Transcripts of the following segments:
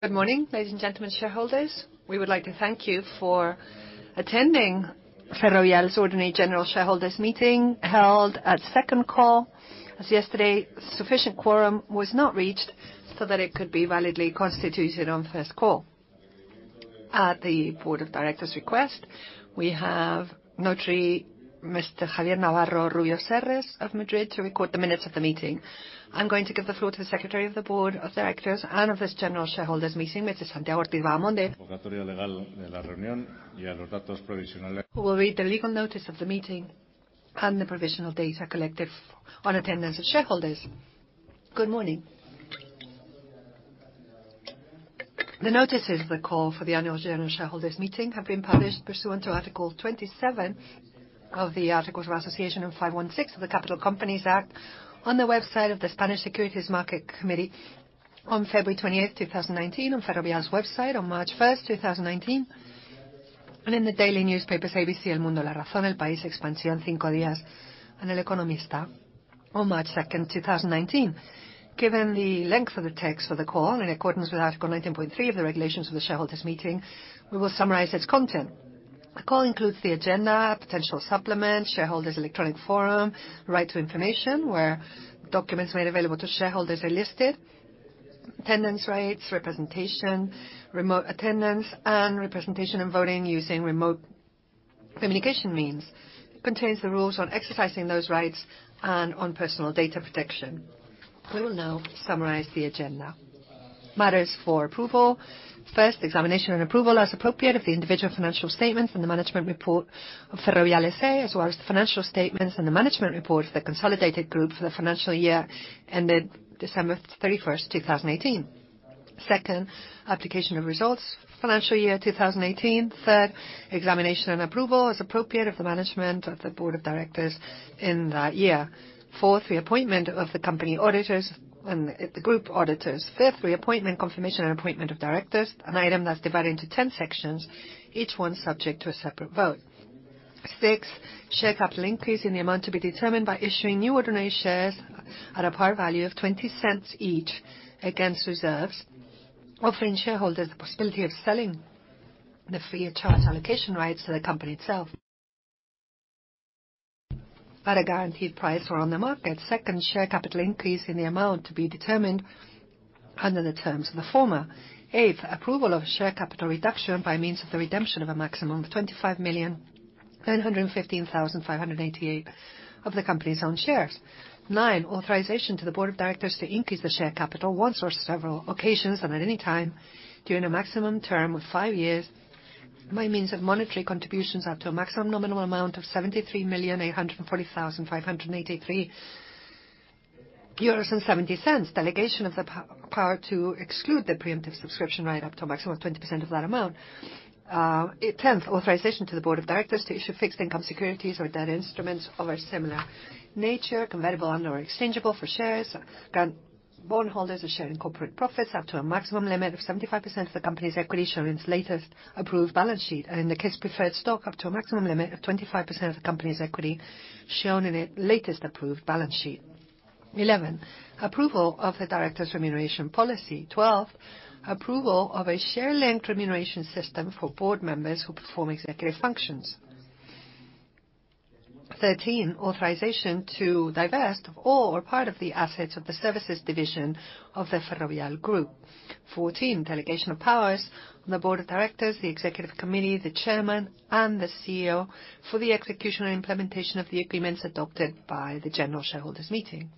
Good morning, ladies and gentlemen, shareholders. We would like to thank you for attending Ferrovial's Ordinary General Shareholders Meeting, held at second call, as yesterday sufficient quorum was not reached so that it could be validly constituted on first call. At the Board of Directors' request, we have notary Mr. Javier Navarro-Rubio Serrés of Madrid to record the minutes of the meeting. I'm going to give the floor to the Secretary of the Board of Directors and of this general shareholders meeting, Mr. Santiago Ortiz Vaamonde, who will read the legal notice of the meeting and the provisional data collected on attendance of shareholders. Good morning. The notices of the call for the annual shareholders meeting have been published pursuant to Article 27 of the Articles of Association and 516 of the Capital Companies Act on the website of the Spanish National Securities Market Commission on February 28, 2019, on Ferrovial's website on March 1, 2019, and in the daily newspapers ABC, El Mundo, El País, Expansión, Cinco Días, and El Economista on March 2, 2019. Given the length of the text for the call, in accordance with Article 19.3 of the Regulations of the Shareholders Meeting, we will summarize its content. The call includes the agenda, potential supplements, shareholders' electronic forum, right to information, where documents made available to shareholders are listed, attendance rights, representation, remote attendance, and representation and voting using remote communication means. It contains the rules on exercising those rights and on personal data protection. We will now summarize the agenda. Matters for approval. First, examination and approval as appropriate of the individual financial statements and the management report of Ferrovial S.A., as well as the financial statements and the management report of the consolidated group for the financial year ended December 31, 2018. Second, application of results, financial year 2018. Third, examination and approval as appropriate of the management of the board of directors in that year. Fourth, the appointment of the company auditors and the group auditors. Fifth, reappointment, confirmation, and appointment of directors, an item that's divided into 10 sections, each one subject to a separate vote. Six, share capital increase in the amount to be determined by issuing new ordinary shares at a par value of 0.20 each against reserves, offering shareholders the possibility of selling the free of charge allocation rights to the company itself at a guaranteed price or on the market. Second, share capital increase in the amount to be determined under the terms of the former. Eighth, approval of share capital reduction by means of the redemption of a maximum of 25,915,588 of the company's own shares. Nine, authorization to the board of directors to increase the share capital once or several occasions and at any time during a maximum term of five years by means of monetary contributions up to a maximum nominal amount of 73,840,583.70 euros, delegation of the power to exclude the preemptive subscription right up to a maximum of 20% of that amount. Tenth, authorization to the board of directors to issue fixed income securities or debt instruments of a similar nature, convertible and/or exchangeable for shares, grant bondholders a share in corporate profits up to a maximum limit of 75% of the company's equity shown in its latest approved balance sheet, and in the case of preferred stock, up to a maximum limit of 25% of the company's equity shown in its latest approved balance sheet. 11, approval of the directors' remuneration policy. 12, approval of a share length remuneration system for board members who perform executive functions. 13, authorization to divest of all or part of the assets of the Services Division of the Ferrovial Group. 14, delegation of powers on the board of directors, the executive committee, the chairman, and the CEO for the execution and implementation of the agreements adopted by the General Shareholders Meeting.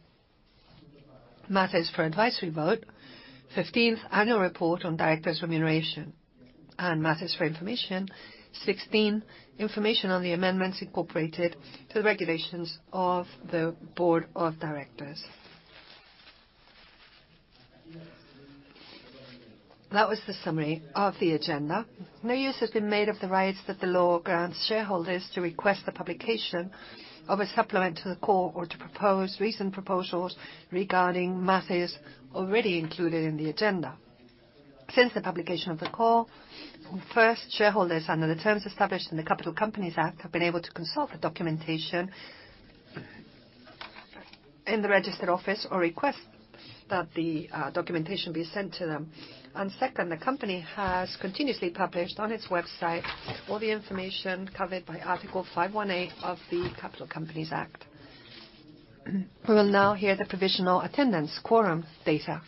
Matters for advisory vote. 15th, annual report on directors' remuneration. Matters for information. 16, information on the amendments incorporated to the regulations of the board of directors. That was the summary of the agenda. No use has been made of the rights that the law grants shareholders to request the publication of a supplement to the call or to propose recent proposals regarding matters already included in the agenda. Since the publication of the call, first, shareholders under the terms established in the Capital Companies Act have been able to consult the documentation in the registered office or request that the documentation be sent to them. Second, the company has continuously published on its website all the information covered by Article 518 of the Capital Companies Act. We will now hear the provisional attendance quorum data.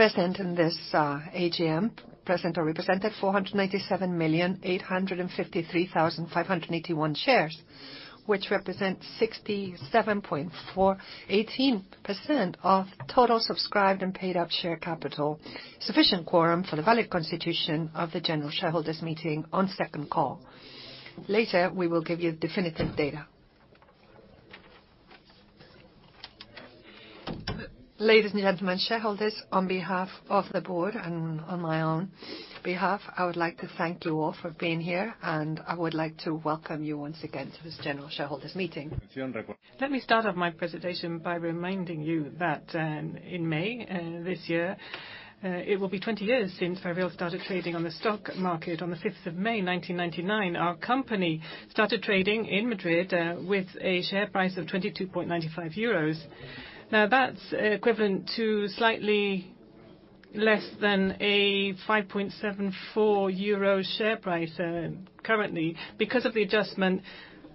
Present in this AGM, present or represented, 497,853,581 shares, which represents 67.18% of total subscribed and paid-up share capital, sufficient quorum for the valid constitution of the General Shareholders Meeting on second call. Later, we will give you definitive data. Ladies and gentlemen, shareholders, on behalf of the board and on my own behalf, I would like to thank you all for being here, and I would like to welcome you once again to this General Shareholders Meeting. Let me start off my presentation by reminding you that in May this year, it will be 20 years since Ferrovial started trading on the stock market on the 5th of May 1999. Our company started trading in Madrid with a share price of 22.95 euros. Now, that's equivalent to slightly Less than a 5.74 euro share price currently, because of the adjustment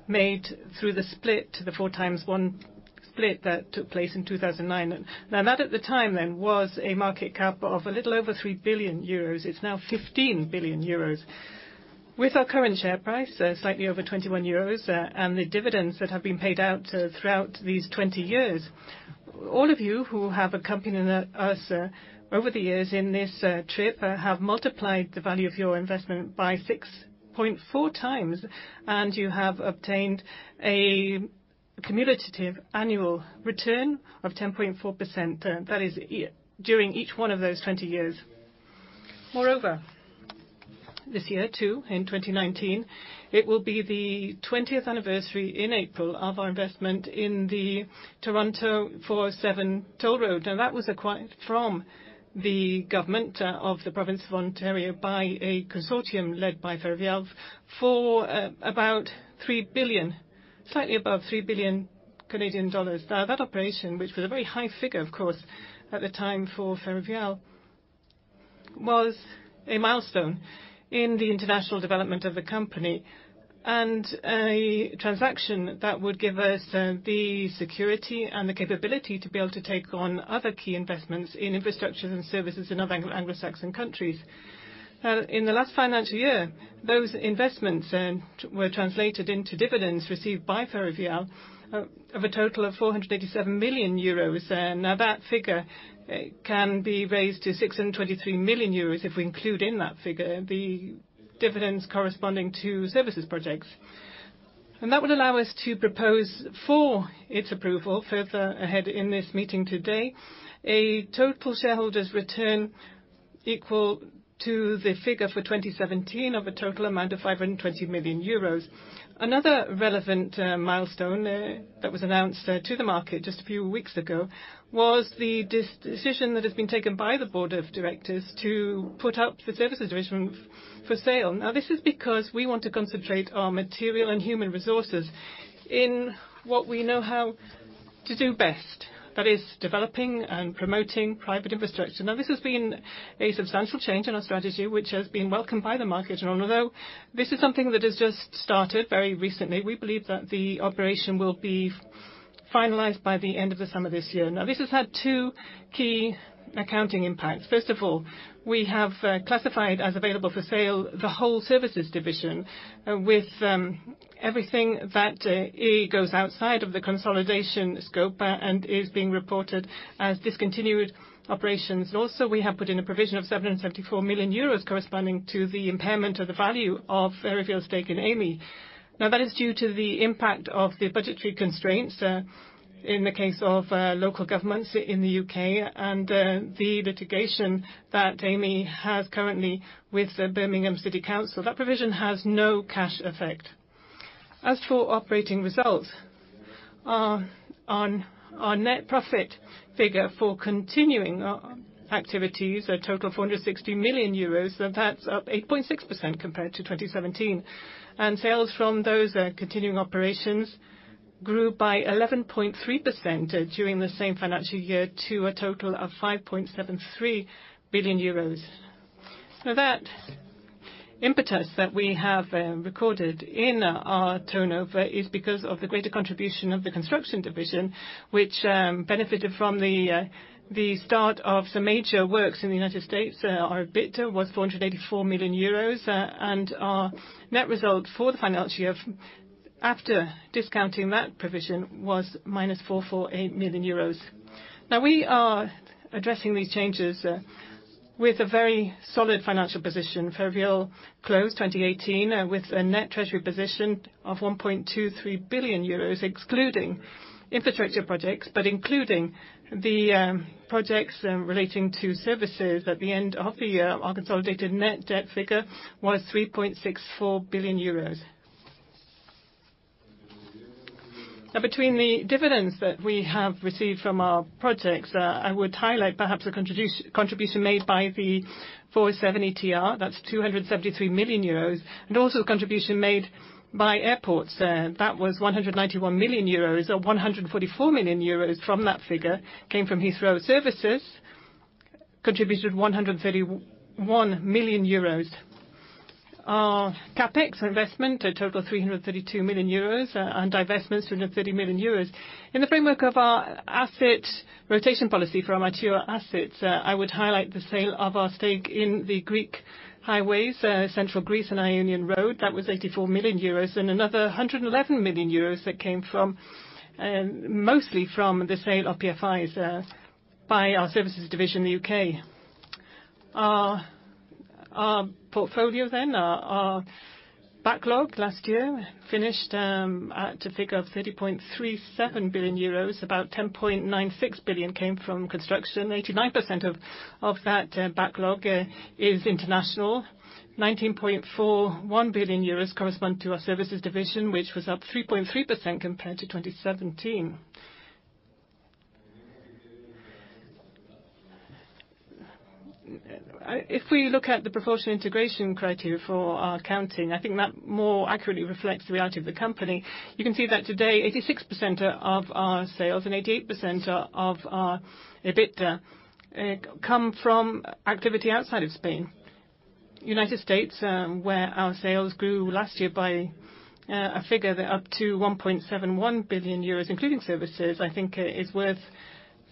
made through the split to the 4 times 1 split that took place in 2009. That at the time then, was a market cap of a little over 3 billion euros. It's now 15 billion euros. With our current share price, slightly over 21 euros, and the dividends that have been paid out throughout these 20 years, all of you who have accompanied us over the years in this trip have multiplied the value of your investment by 6.4 times, and you have obtained a cumulative annual return of 10.4%. That is during each one of those 20 years. Moreover, this year too, in 2019, it will be the 20th anniversary in April of our investment in the Toronto 407 Toll Road. That was acquired from the government of the province of Ontario by a consortium led by Ferrovial for about 3 billion, slightly above 3 billion Canadian dollars. That operation, which was a very high figure, of course, at the time for Ferrovial, was a milestone in the international development of the company and a transaction that would give us the security and the capability to be able to take on other key investments in infrastructure and services in other Anglo-Saxon countries. In the last financial year, those investments were translated into dividends received by Ferrovial of a total of 487 million euros. That figure can be raised to 623 million euros if we include in that figure the dividends corresponding to services projects. That would allow us to propose for its approval further ahead in this meeting today, a total shareholders' return equal to the figure for 2017 of a total amount of 520 million euros. Another relevant milestone that was announced to the market just a few weeks ago was the decision that has been taken by the Board of Directors to put up the services division for sale. This is because we want to concentrate our material and human resources in what we know how to do best. That is developing and promoting private infrastructure. This has been a substantial change in our strategy, which has been welcomed by the market. Although this is something that has just started very recently, we believe that the operation will be finalized by the end of the summer this year. This has had two key accounting impacts. First of all, we have classified as available for sale the whole services division with everything that, A, goes outside of the consolidation scope and is being reported as discontinued operations. We have put in a provision of 774 million euros corresponding to the impairment of the value of Ferrovial's stake in Amey. That is due to the impact of the budgetary constraints in the case of local governments in the U.K. and the litigation that Amey has currently with Birmingham City Council. That provision has no cash effect. As for operating results, on our net profit figure for continuing activities, a total of 460 million euros, that's up 8.6% compared to 2017. Sales from those continuing operations grew by 11.3% during the same financial year to a total of 5.73 billion euros. That impetus that we have recorded in our turnover is because of the greater contribution of the construction division, which benefited from the start of some major works in the United States. Our EBITDA was 484 million euros, and our net result for the financial year after discounting that provision was minus 448 million euros. We are addressing these changes with a very solid financial position. Ferrovial closed 2018 with a net treasury position of 1.23 billion euros, excluding infrastructure projects, but including the projects relating to services. At the end of the year, our consolidated net debt figure was 3.64 billion euros. Between the dividends that we have received from our projects, I would highlight perhaps the contribution made by the 407 ETR. That's 273 million euros. Also the contribution made by airports. That was 191 million euros. So 144 million euros from that figure came from Heathrow Services, contributed 131 million euros. Our CapEx investment totaled 332 million euros, and divestments, 330 million euros. In the framework of our asset rotation policy for our material assets, I would highlight the sale of our stake in the Greek highways, Central Greece and Ionian Roads. That was 84 million euros, and another 111 million euros that came mostly from the sale of PFIs by our services division in the U.K. Our portfolio, our backlog last year finished at a figure of 30.37 billion euros. About 10.96 billion came from construction. 89% of that backlog is international. 19.41 billion euros correspond to our services division, which was up 3.3% compared to 2017. If we look at the proportional integration criteria for our accounting, I think that more accurately reflects the reality of the company. You can see that today, 86% of our sales and 88% of our EBITDA come from activity outside of Spain. The United States, where our sales grew last year by a figure up to 1.71 billion euros, including services, I think is worth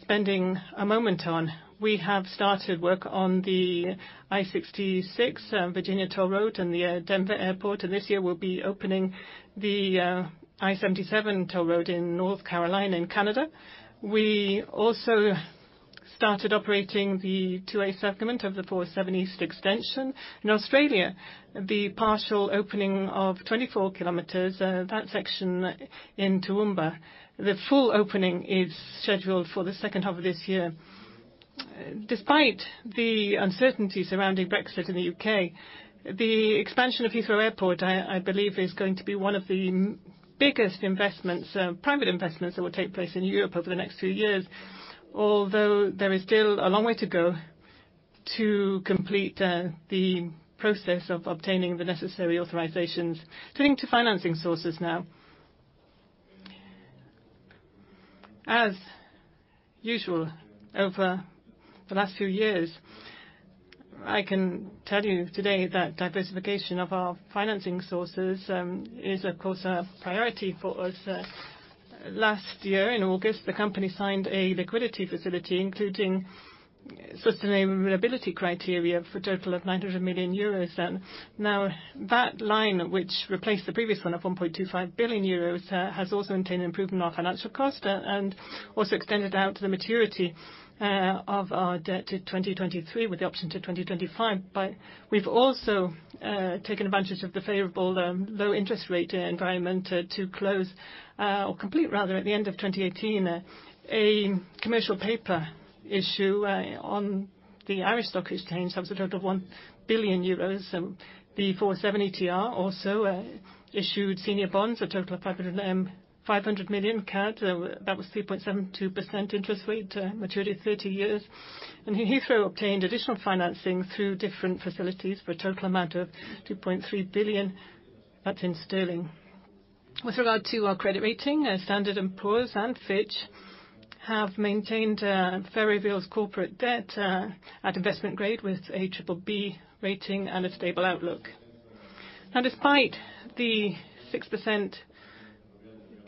spending a moment on. We have started work on the I-66 Virginia toll road and the Denver Airport, and this year we will be opening the I-77 toll road in North Carolina and Canada. We also started operating the 2A segment of the 407 East extension. In Australia, the partial opening of 24 km, that section in Toowoomba. The full opening is scheduled for the second half of this year. Despite the uncertainty surrounding Brexit in the U.K., the expansion of Heathrow Airport, I believe, is going to be one of the biggest private investments that will take place in Europe over the next few years, although there is still a long way to go to complete the process of obtaining the necessary authorizations. Turning to financing sources. As usual, over the last few years, I can tell you today that diversification of our financing sources is, of course, a priority for us. Last year in August, the company signed a liquidity facility, including sustainability criteria for a total of 900 million euros. That line, which replaced the previous one of 1.25 billion euros, has also maintained improvement in our financial cost and also extended out the maturity of our debt to 2023 with the option to 2025. We have also taken advantage of the favorable low interest rate environment to close or complete rather, at the end of 2018, a commercial paper issue on the Irish Stock Exchange that was a total of 1 billion euros. The 407 ETR also issued senior bonds, a total of 500 million CAD. That was 3.72% interest rate, maturity 30 years. Heathrow obtained additional financing through different facilities for a total amount of 2.3 billion. That is in sterling. With regard to our credit rating, Standard & Poor's and Fitch have maintained Ferrovial's corporate debt at investment grade with a triple B rating and a stable outlook. Despite the 6%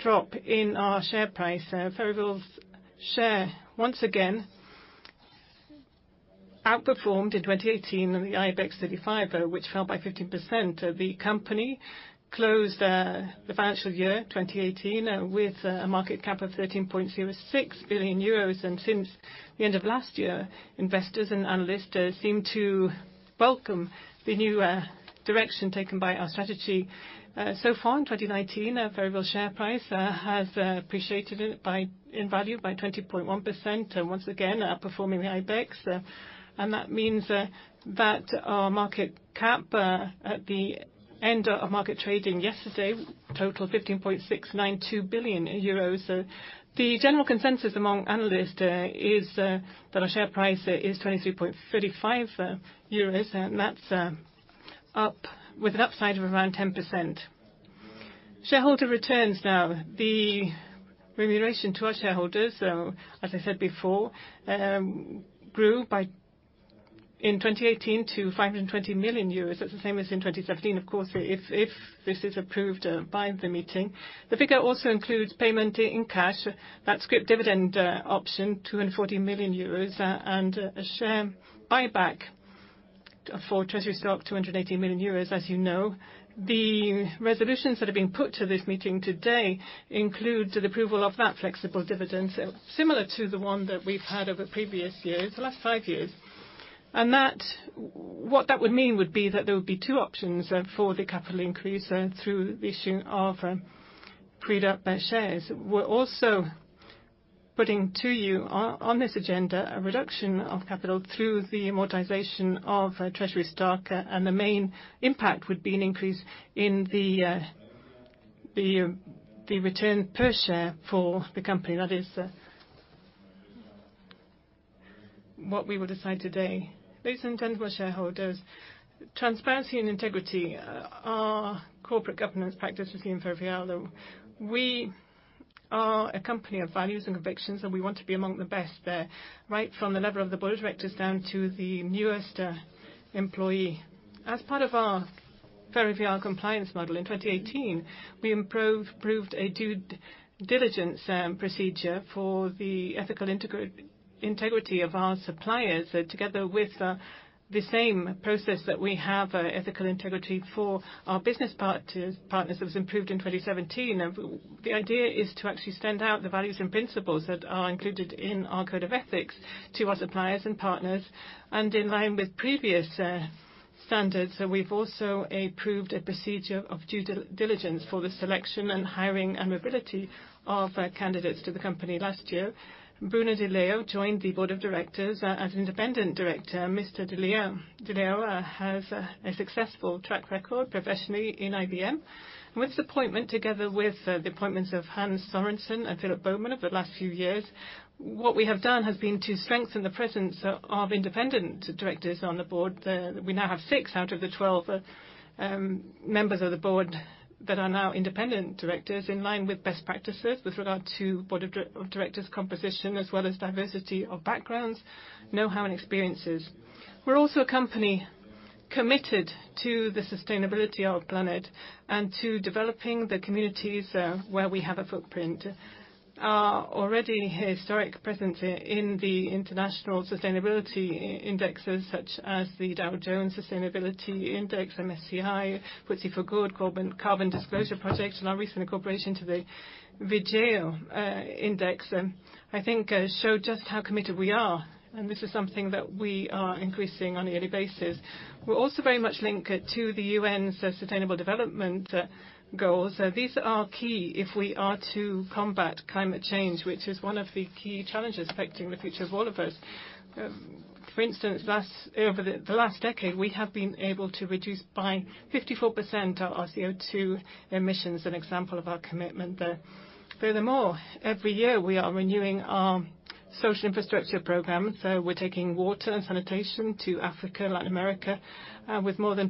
drop in our share price, Ferrovial's share once again outperformed in 2018 on the IBEX 35, which fell by 15%. The company closed the financial year 2018 with a market cap of 13.06 billion euros. Since the end of last year, investors and analysts seem to welcome the new direction taken by our strategy. So far in 2019, Ferrovial share price has appreciated in value by 20.1%, once again outperforming the IBEX. That means that our market cap at the end of market trading yesterday totaled 15.692 billion euros. The general consensus among analysts is that our share price is 23.35 euros, and that's with an upside of around 10%. Shareholder returns now. The remuneration to our shareholders, as I said before, grew in 2018 to 520 million euros. That's the same as in 2017, of course, if this is approved by the meeting. The figure also includes payment in cash, that scrip dividend option, 240 million euros, and a share buyback for treasury stock, 280 million euros. As you know, the resolutions that are being put to this meeting today include the approval of that flexible dividend, similar to the one that we've had over previous years, the last five years. What that would mean would be that there would be two options for the capital increase through the issue of freed-up shares. We're also putting to you on this agenda a reduction of capital through the amortization of treasury stock, the main impact would be an increase in the return per share for the company. That is what we will decide today. Recent events for shareholders. Transparency and integrity are corporate governance practices in Ferrovial. We are a company of values and convictions, and we want to be among the best there, right from the level of the board of directors down to the newest employee. As part of our Ferrovial compliance model in 2018, we improved a due diligence procedure for the ethical integrity of our suppliers, together with the same process that we have ethical integrity for our business partners that was improved in 2017. The idea is to actually send out the values and principles that are included in our code of ethics to our suppliers and partners. In line with previous standards, we've also approved a procedure of due diligence for the selection and hiring and mobility of candidates to the company. Last year, Bruno Di Leo joined the board of directors as an independent director. Mr. Di Leo has a successful track record professionally in IBM. With his appointment, together with the appointments of Hanne Sørensen and Philip Bowman over the last few years, what we have done has been to strengthen the presence of independent directors on the board. We now have six out of the 12 members of the board that are now independent directors in line with best practices with regard to board of directors composition as well as diversity of backgrounds, know-how, and experiences. We're also a company committed to the sustainability of planet and to developing the communities where we have a footprint. Our already historic presence in the international sustainability indexes, such as the Dow Jones Sustainability Index, MSCI, FTSE4Good, Carbon Disclosure Project, and our recent incorporation to the Vigeo Eiris, I think show just how committed we are, this is something that we are increasing on a yearly basis. We're also very much linked to the UN's Sustainable Development Goals. These are key if we are to combat climate change, which is one of the key challenges affecting the future of all of us. For instance, over the last decade, we have been able to reduce by 54% our CO2 emissions, an example of our commitment there. We're taking water and sanitation to Africa, Latin America, with more than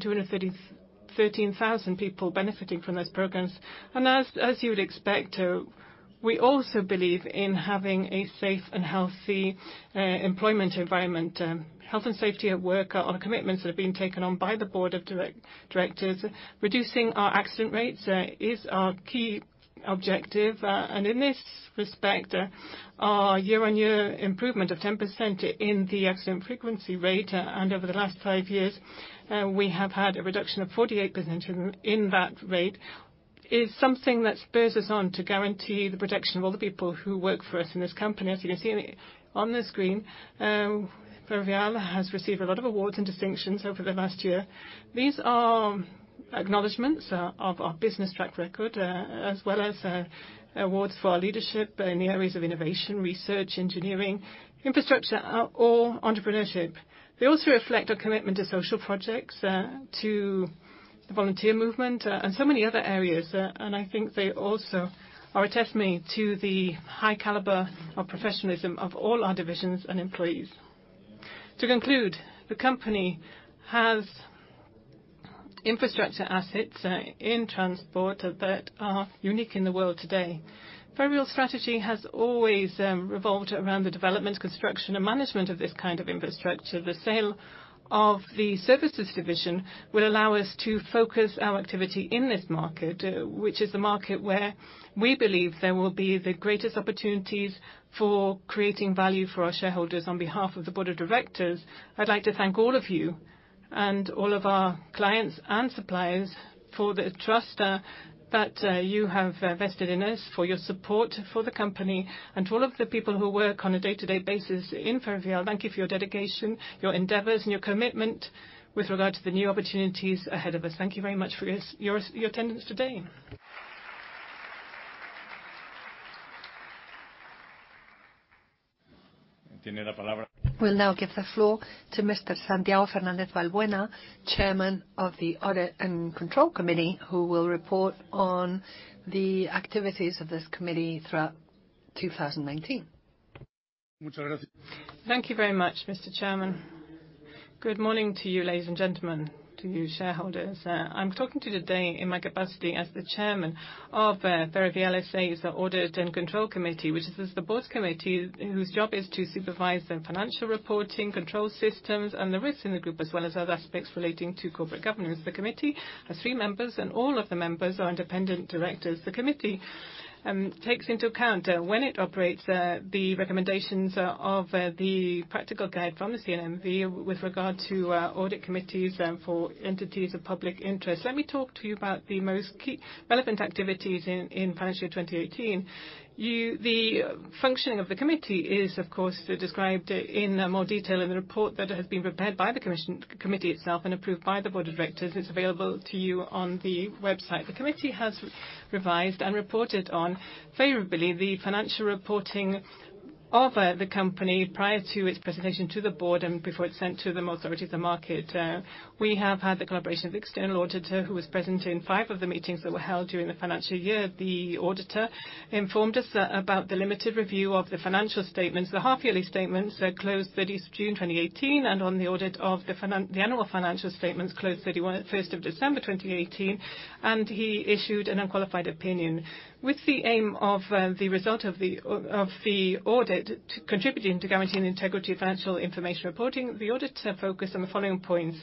213,000 people benefiting from those programs. As you would expect, we also believe in having a safe and healthy employment environment. Health and safety at work are commitments that have been taken on by the Board of Directors. Reducing our accident rates is our key objective. In this respect, our year-on-year improvement of 10% in the accident frequency rate, and over the last five years, we have had a reduction of 48% in that rate, is something that spurs us on to guarantee the protection of all the people who work for us in this company. As you can see on the screen, Ferrovial has received a lot of awards and distinctions over the past year. These are acknowledgments of our business track record, as well as awards for our leadership in the areas of innovation, research, engineering, infrastructure, or entrepreneurship. They also reflect our commitment to social projects, to the volunteer movement, and so many other areas. I think they also are a testament to the high caliber of professionalism of all our divisions and employees. To conclude, the company has infrastructure assets in transport that are unique in the world today. Ferrovial's strategy has always revolved around the development, construction, and management of this kind of infrastructure. The sale of the services division will allow us to focus our activity in this market, which is the market where we believe there will be the greatest opportunities for creating value for our shareholders. On behalf of the Board of Directors, I'd like to thank all of you, and all of our clients and suppliers for the trust that you have vested in us, for your support for the company, and to all of the people who work on a day-to-day basis in Ferrovial, thank you for your dedication, your endeavors, and your commitment with regard to the new opportunities ahead of us. Thank you very much for your attendance today. We'll now give the floor to Mr. Santiago Fernández Valbuena, Chairman of the Audit and Control Committee, who will report on the activities of this committee throughout 2019. Thank you very much, Mr. Chairman. Good morning to you, ladies and gentlemen, to you shareholders. I'm talking today in my capacity as the chairman of Ferrovial S.A.'s Audit and Control Committee, which is the board committee whose job is to supervise the financial reporting, control systems, and the risks in the group, as well as other aspects relating to corporate governance. The committee has three members, and all of the members are independent directors. The committee takes into account, when it operates, the recommendations of the practical guide from the CNMV with regard to audit committees for entities of public interest. Let me talk to you about the most key relevant activities in financial year 2018. The functioning of the committee is, of course, described in more detail in the report that has been prepared by the committee itself and approved by the Board of Directors. It's available to you on the website. The committee has revised and reported on, favorably, the financial reporting of the company prior to its presentation to the board and before it's sent to the authorities and market. We have had the collaboration of the external auditor, who was present in five of the meetings that were held during the financial year. The auditor informed us about the limited review of the financial statements, the half-yearly statements closed 30th June 2018, and on the audit of the annual financial statements closed 31st of December 2018, and he issued an unqualified opinion. With the aim of the result of the audit contributing to guaranteeing the integrity of financial information reporting, the auditor focused on the following points.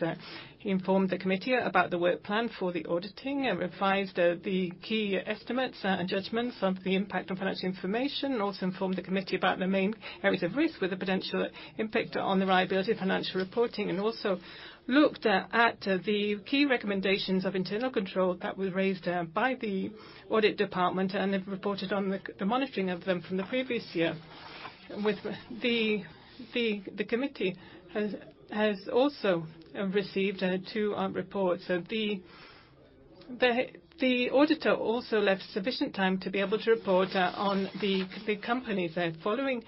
He informed the committee about the work plan for the auditing, revised the key estimates and judgments of the impact on financial information, and also informed the committee about the main areas of risk with a potential impact on the reliability of financial reporting, and also looked at the key recommendations of internal control that were raised by the audit department, and they reported on the monitoring of them from the previous year. The committee has also received two reports. The auditor also left sufficient time to be able to report on the companies. Following the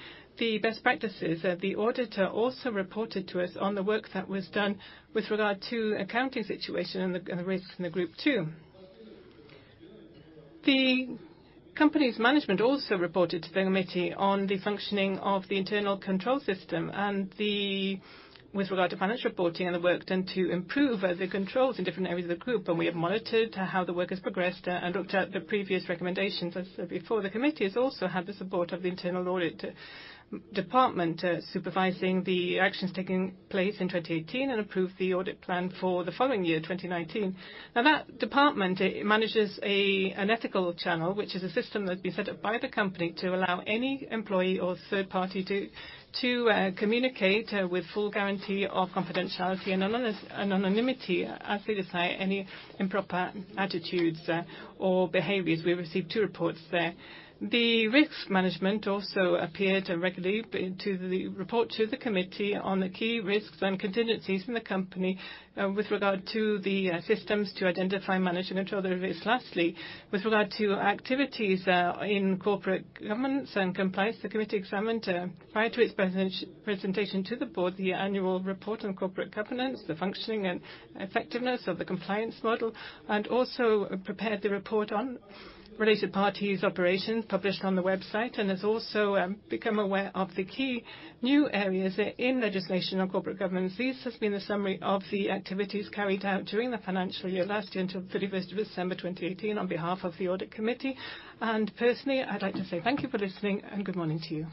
best practices, the auditor also reported to us on the work that was done with regard to accounting situation and the risks in the group too. Company's management also reported to the committee on the functioning of the internal control system, and with regard to financial reporting and the work done to improve the controls in different areas of the group, and we have monitored how the work has progressed and looked at the previous recommendations as before. The committee has also had the support of the internal audit department supervising the actions taking place in 2018 and approved the audit plan for the following year, 2019. Now that department manages an ethical channel, which is a system that's been set up by the company to allow any employee or third party to communicate with full guarantee of confidentiality and anonymity as they decide any improper attitudes or behaviors. We received two reports there. The risk management also appeared regularly to report to the committee on the key risks and contingencies in the company with regard to the systems to identify, manage, and control the risks. Lastly, with regard to activities in corporate governance and compliance, the committee examined, prior to its presentation to the board, the annual report on corporate governance, the functioning and effectiveness of the compliance model, and also prepared the report on related parties operations published on the website, and has also become aware of the key new areas in legislation on corporate governance. This has been the summary of the activities carried out during the financial year last year until 31st December 2018 on behalf of the audit committee. Personally, I'd like to say thank you for listening, and good morning to you.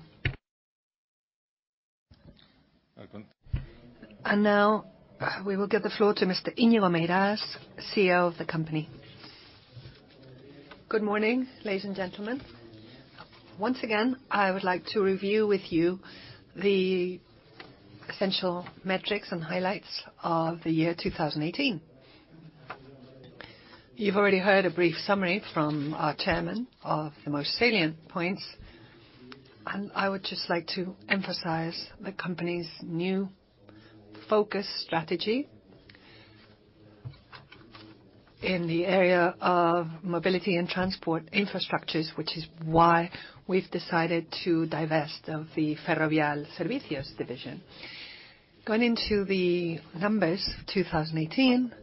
Now we will give the floor to Mr. Íñigo Meirás, CEO of the company. Good morning, ladies and gentlemen. Once again, I would like to review with you the essential metrics and highlights of the year 2018. You've already heard a brief summary from our chairman of the most salient points. I would just like to emphasize the company's new focus strategy in the area of mobility and transport infrastructures, which is why we've decided to divest of the Ferrovial Servicios division. Going into the numbers for 2018,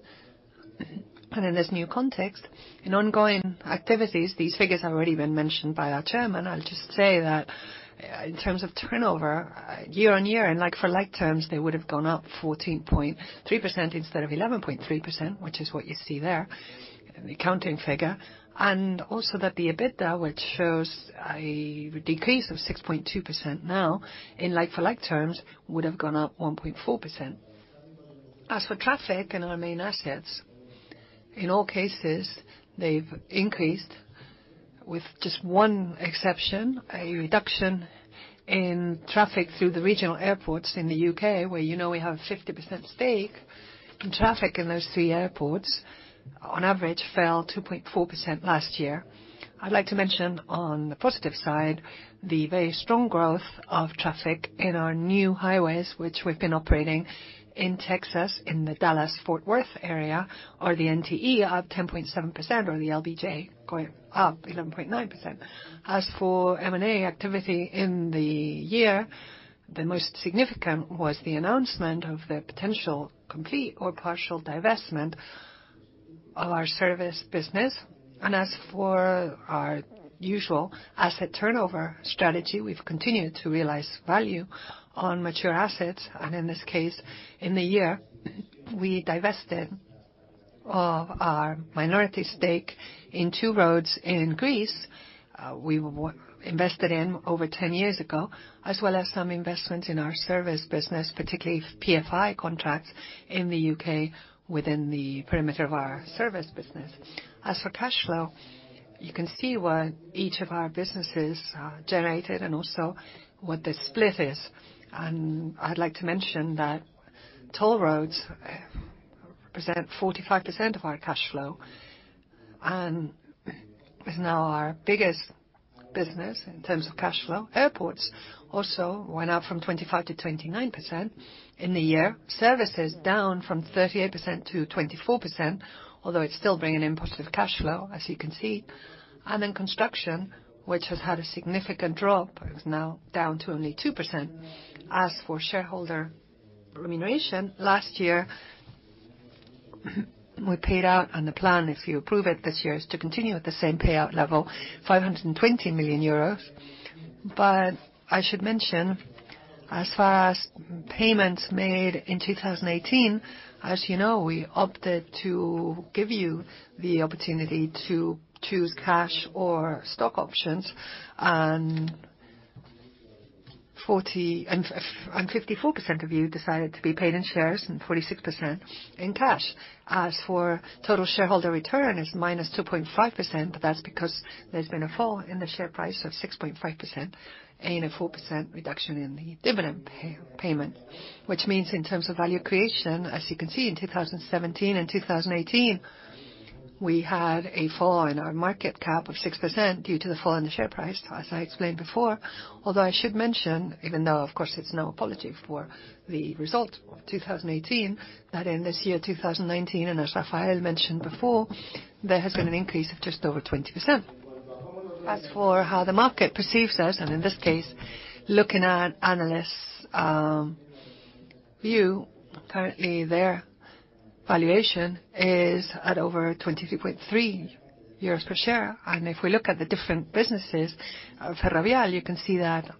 and in this new context, in ongoing activities, these figures have already been mentioned by our chairman. I'll just say that in terms of turnover, year-on-year and like-for-like terms, they would have gone up 14.3% instead of 11.3%, which is what you see there, the accounting figure. Also that the EBITDA, which shows a decrease of 6.2% now, in like-for-like terms, would have gone up 1.4%. As for traffic in our main assets, in all cases, they've increased with just one exception, a reduction in traffic through the regional airports in the U.K., where you know we have a 50% stake. Traffic in those three airports, on average, fell 2.4% last year. I'd like to mention, on the positive side, the very strong growth of traffic in our new highways, which we've been operating in Texas, in the Dallas-Fort Worth area, or the NTE up 10.7%, or the LBJ up 11.9%. As for M&A activity in the year, the most significant was the announcement of the potential complete or partial divestment of our service business. As for our usual asset turnover strategy, we've continued to realize value on mature assets. In this case, in the year, we divested of our minority stake in two roads in Greece we invested in over 10 years ago, as well as some investments in our service business, particularly PFI contracts in the U.K. within the perimeter of our service business. As for cash flow, you can see what each of our businesses generated and also what the split is. I'd like to mention that toll roads represent 45% of our cash flow, and is now our biggest business in terms of cash flow. Airports also went up from 25% to 29% in the year. Services down from 38% to 24%, although it's still bringing in positive cash flow, as you can see. Then construction, which has had a significant drop, is now down to only 2%. As for shareholder remuneration, last year, we paid out, I should mention, as far as payments made in 2018, as you know, we opted to give you the opportunity to choose cash or stock options, and 54% of you decided to be paid in shares and 46% in cash. As for total shareholder return, it's -2.5%, that's because there's been a fall in the share price of 6.5% and a 4% reduction in the dividend payment. Which means in terms of value creation, as you can see, in 2017 and 2018, we had a fall in our market cap of 6% due to the fall in the share price, as I explained before. I should mention, even though of course it's now positive for the result of 2018, that in this year, 2019, as Rafael mentioned before, there has been an increase of just over 20%. As for how the market perceives us, and in this case, looking at analysts' view, currently they're Valuation is at over 23.3 euros per share. If we look at the different businesses of Ferrovial, you can see that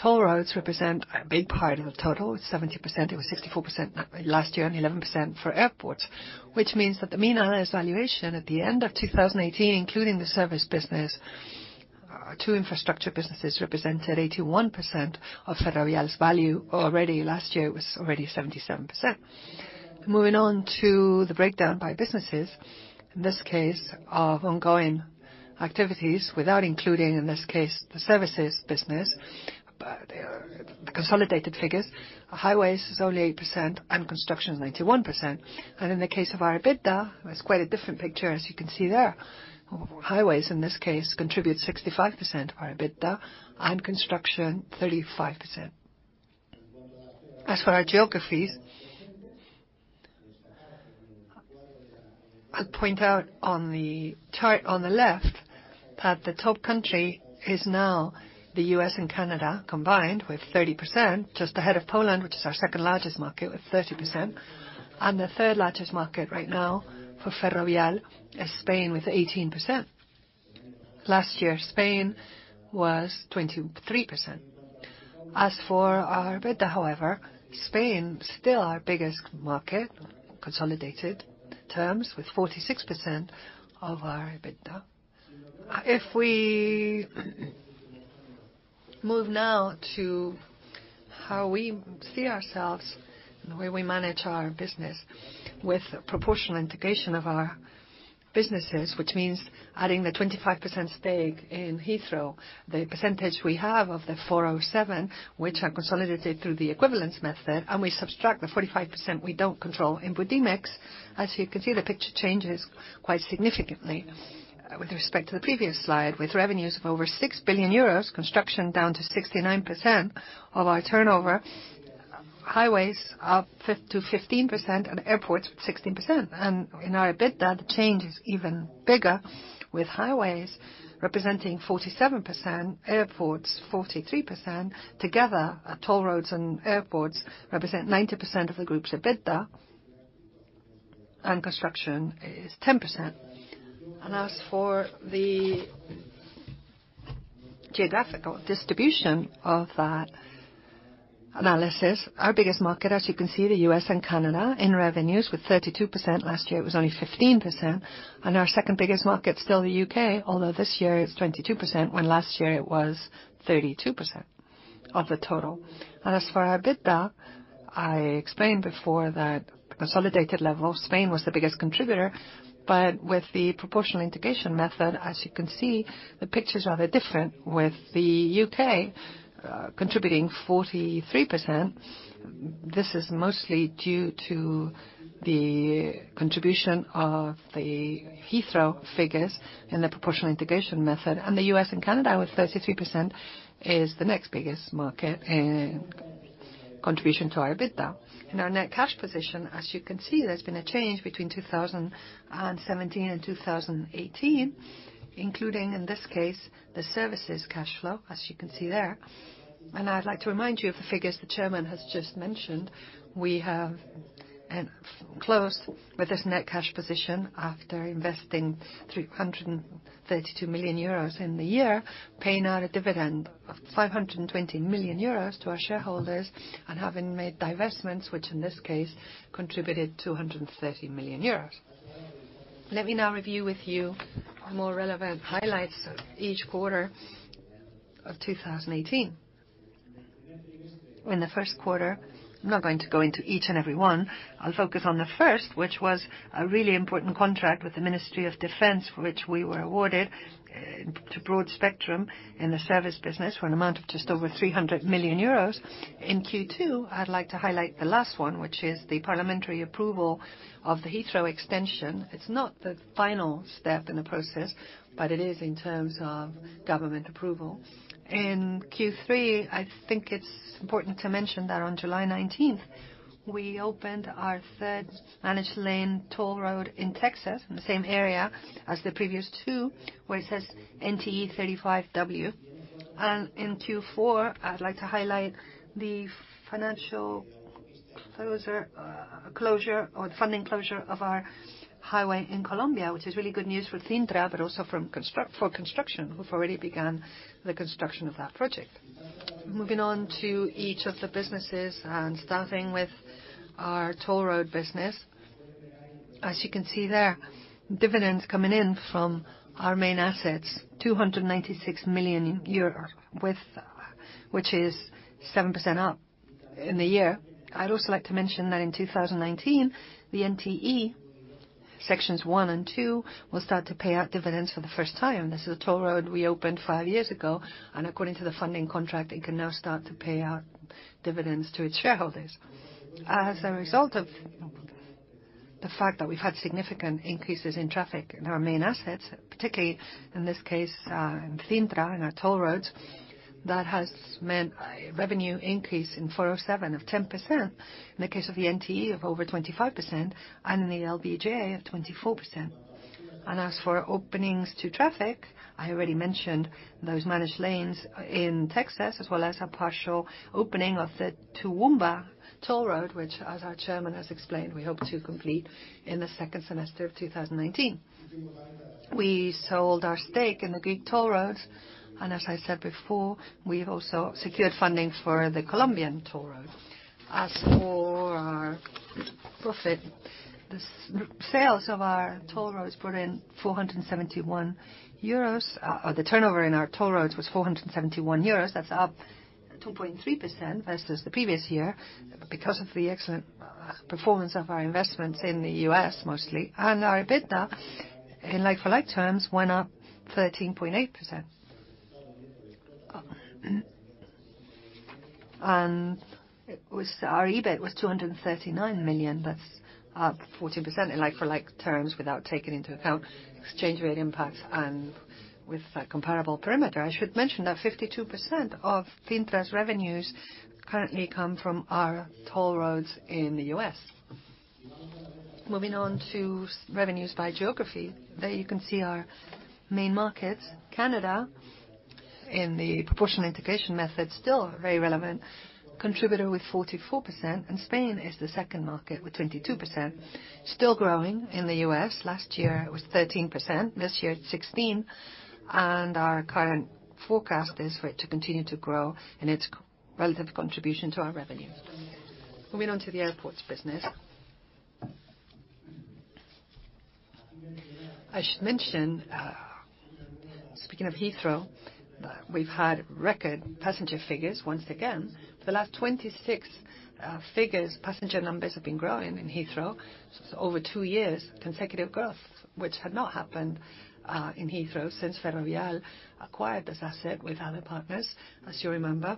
toll roads represent a big part of the total, 70%. It was 64% last year, and 11% for airports. Which means that the mean analysis valuation at the end of 2018, including the service business, two infrastructure businesses represented 81% of Ferrovial's value. Already last year it was 77%. Moving on to the breakdown by businesses. In this case, of ongoing activities without including, in this case, the services business. The consolidated figures, highways is only 8% and construction is 91%. In the case of EBITDA, it's quite a different picture as you can see there. Highways, in this case, contribute 65% of our EBITDA, and construction 35%. As for our geographies, I'd point out on the chart on the left that the top country is now the U.S. and Canada combined, with 30%, just ahead of Poland, which is our second-largest market with 30%. The third largest market right now for Ferrovial is Spain with 18%. Last year, Spain was 23%. As for our EBITDA however, Spain still our biggest market, consolidated terms, with 46% of our EBITDA. If we move now to how we see ourselves and the way we manage our business with proportional integration of our businesses, which means adding the 25% stake in Heathrow, the percentage we have of the 407, which are consolidated through the equivalence method, and we subtract the 45% we don't control in Budimex. As you can see, the picture changes quite significantly with respect to the previous slide, with revenues of over 6 billion euros, construction down to 69% of our turnover. Highways up to 15% and airports 16%. In our EBITDA, the change is even bigger, with highways representing 47%, airports 43%. Together, toll roads and airports represent 90% of the group's EBITDA, and construction is 10%. As for the geographical distribution of that analysis, our biggest market, as you can see, the U.S. and Canada in revenues with 32%. Last year it was only 15%. Our second biggest market is still the U.K., although this year it's 22%, when last year it was 32% of the total. As for our EBITDA, I explained before that consolidated level, Spain was the biggest contributor. With the proportional integration method, as you can see, the picture is rather different, with the U.K. contributing 43%. This is mostly due to the contribution of the Heathrow figures in the proportional integration method. The U.S. and Canada, with 33%, is the next biggest market in contribution to our EBITDA. In our net cash position, as you can see, there's been a change between 2017 and 2018, including in this case, the services cash flow, as you can see there. I'd like to remind you of the figures the chairman has just mentioned. We have closed with this net cash position after investing 332 million euros in the year, paying out a dividend of 520 million euros to our shareholders, and having made divestments, which in this case contributed 230 million euros. Let me now review with you more relevant highlights of each quarter of 2018. In the first quarter, I'm not going to go into each and every one. I'll focus on the first, which was a really important contract with the Ministry of Defense, which we were awarded to Broadspectrum in the service business for an amount of just over 300 million euros. In Q2, I'd like to highlight the last one, which is the parliamentary approval of the Heathrow extension. It's not the final step in the process, but it is in terms of government approval. In Q3, I think it's important to mention that on July 19th, we opened our third managed lane toll road in Texas, in the same area as the previous two, where it says NTE 35W. In Q4, I'd like to highlight the financial closure or the funding closure of our highway in Colombia, which is really good news for Cintra, but also for construction, who've already begun the construction of that project. Moving on to each of the businesses and starting with our toll road business. As you can see there, dividends coming in from our main assets, 296 million euros, which is 7% up in the year. I'd also like to mention that in 2019, the NTE sections one and two will start to pay out dividends for the first time. This is a toll road we opened five years ago, and according to the funding contract, it can now start to pay out dividends to its shareholders. As a result of the fact that we've had significant increases in traffic in our main assets, particularly in this case, in Cintra, in our toll roads, that has meant a revenue increase in 407 of 10%. In the case of the NTE of over 25%, and in the LBJ of 24%. As for openings to traffic, I already mentioned those managed lanes in Texas, as well as a partial opening of the Toowoomba toll road, which as our chairman has explained, we hope to complete in the second semester of 2019. We sold our stake in the Greek toll roads. As I said before, we've also secured funding for the Colombian toll road. As for our profit, the turnover in our toll roads was 471 million euros. That's up 2.3% versus the previous year because of the excellent performance of our investments in the U.S. mostly. Our EBITDA, in like-for-like terms, went up 13.8%. Our EBIT was 239 million. That's up 14% in like-for-like terms without taking into account exchange rate impacts and with a comparable perimeter. I should mention that 52% of the interest revenues currently come from our toll roads in the U.S. Moving on to revenues by geography. There you can see our main markets. Canada, in the proportional integration method, still a very relevant contributor with 44%, and Spain is the second market with 22%, still growing. In the U.S. last year it was 13%. This year it's 16%, and our current forecast is for it to continue to grow in its relative contribution to our revenues. Moving on to the airports business. I should mention, speaking of Heathrow, that we've had record passenger figures once again. For the last 26 figures, passenger numbers have been growing in Heathrow. Over two years of consecutive growth, which had not happened in Heathrow since Ferrovial acquired this asset with other partners, as you remember.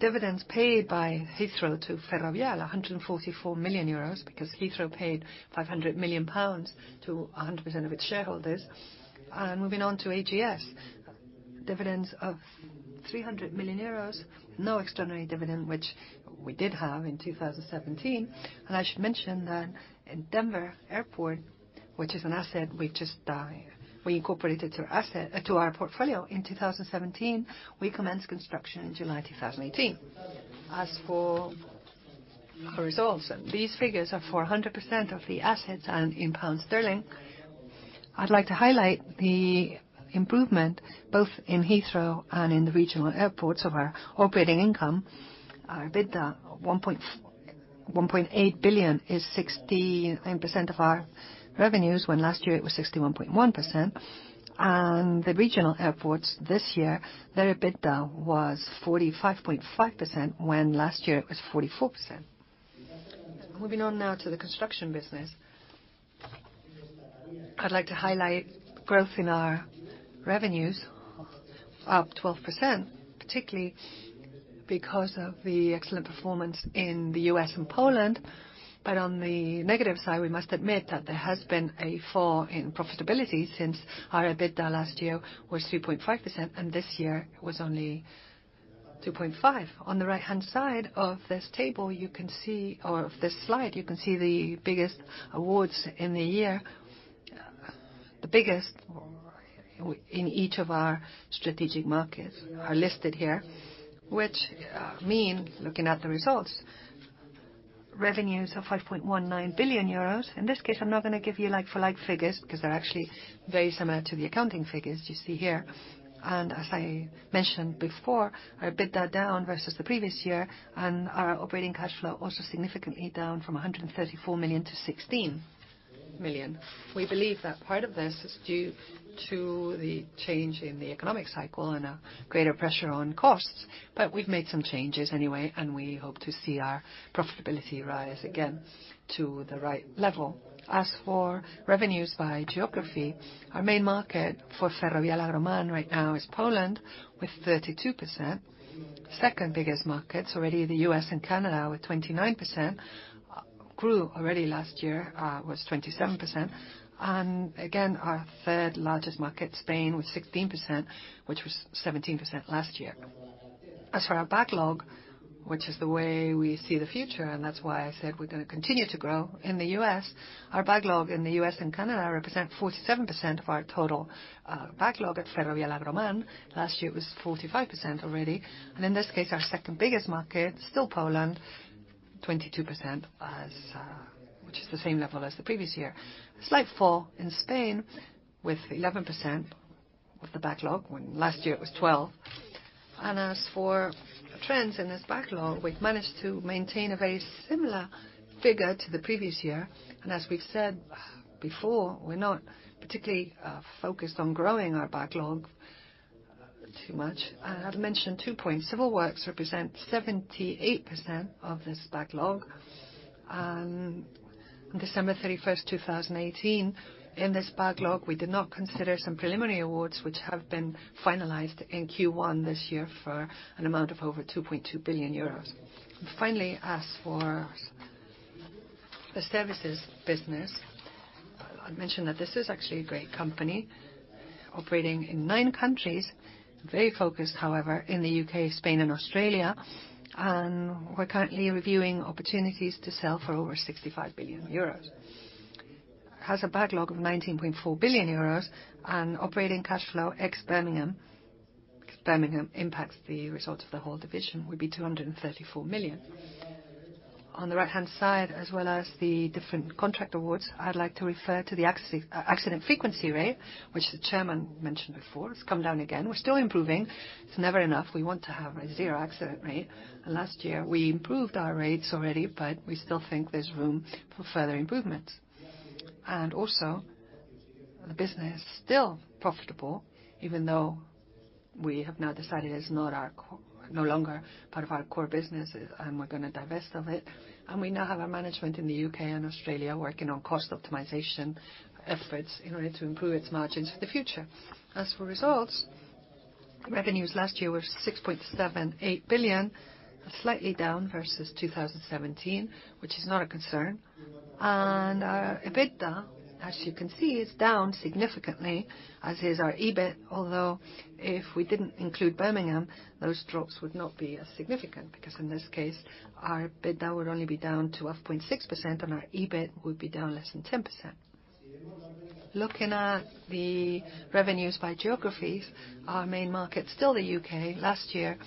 Dividends paid by Heathrow to Ferrovial, €144 million, because Heathrow paid 500 million pounds to 100% of its shareholders. Moving on to AGS. Dividends of [€300 million], no extraordinary dividend, which we did have in 2017. I should mention that in Denver Airport, which is an asset we incorporated to our portfolio in 2017, we commenced construction in July 2018. As for our results, these figures are for 100% of the assets and in GBP. I'd like to highlight the improvement, both in Heathrow and in the regional airports of our operating income. Our EBITDA, 1.8 billion, is 69% of our revenues, when last year it was 61.1%. The regional airports this year, their EBITDA was 45.5%, when last year it was 44%. Moving on now to the construction business. I'd like to highlight growth in our revenues, up 12%, particularly because of the excellent performance in the U.S. and Poland. On the negative side, we must admit that there has been a fall in profitability since our EBITDA last year was 3.5%, and this year it was only 2.5%. On the right-hand side of this slide, you can see the biggest awards in the year. The biggest in each of our strategic markets are listed here, which mean, looking at the results, revenues of €5.19 billion. In this case, I'm not going to give you like-for-like figures because they're actually very similar to the accounting figures you see here. As I mentioned before, our EBITDA down versus the previous year, our operating cash flow also significantly down from 134 million to 16 million. We believe that part of this is due to the change in the economic cycle and a greater pressure on costs. We've made some changes anyway, and we hope to see our profitability rise again to the right level. As for revenues by geography, our main market for Ferrovial Agroman right now is Poland, with 32%. Second biggest market's already the U.S. and Canada, with 29%, grew already last year, was 27%. Again, our third largest market, Spain, with 16%, which was 17% last year. As for our backlog, which is the way we see the future, that's why I said we're going to continue to grow in the U.S. Our backlog in the U.S. and Canada represent 47% of our total backlog at Ferrovial Agroman. Last year, it was 45% already. In this case, our second biggest market, still Poland, 22%, which is the same level as the previous year. A slight fall in Spain with 11% of the backlog, when last year it was 12%. As for trends in this backlog, we've managed to maintain a very similar figure to the previous year. As we've said before, we're not particularly focused on growing our backlog too much. I have to mention two points. Civil works represent 78% of this backlog. On December 31st, 2018, in this backlog, we did not consider some preliminary awards which have been finalized in Q1 this year for an amount of over 2.2 billion euros. Finally, as for the services business, I mentioned that this is actually a great company operating in nine countries. Very focused, however, in the U.K., Spain, and Australia, and we're currently reviewing opportunities to sell for over 65 billion euros. It has a backlog of 19.4 billion euros and operating cash flow ex Birmingham. Because Birmingham impacts the results of the whole division, would be 234 million. On the right-hand side, as well as the different contract awards, I'd like to refer to the accident frequency rate, which the Chairman mentioned before. It's come down again. We're still improving. It's never enough. We want to have a zero accident rate. Last year we improved our rates already, but we still think there's room for further improvements. Also, the business is still profitable even though we have now decided it's no longer part of our core business, and we're going to divest of it. We now have our management in the U.K. and Australia working on cost optimization efforts in order to improve its margins for the future. As for results, revenues last year were 6.78 billion, slightly down versus 2017, which is not a concern. Our EBITDA, as you can see, is down significantly, as is our EBIT, although if we didn't include Birmingham, those drops would not be as significant because in this case, our EBITDA would only be down 12.6% and our EBIT would be down less than 10%. Looking at the revenues by geographies, our main market's still the U.K. Last year,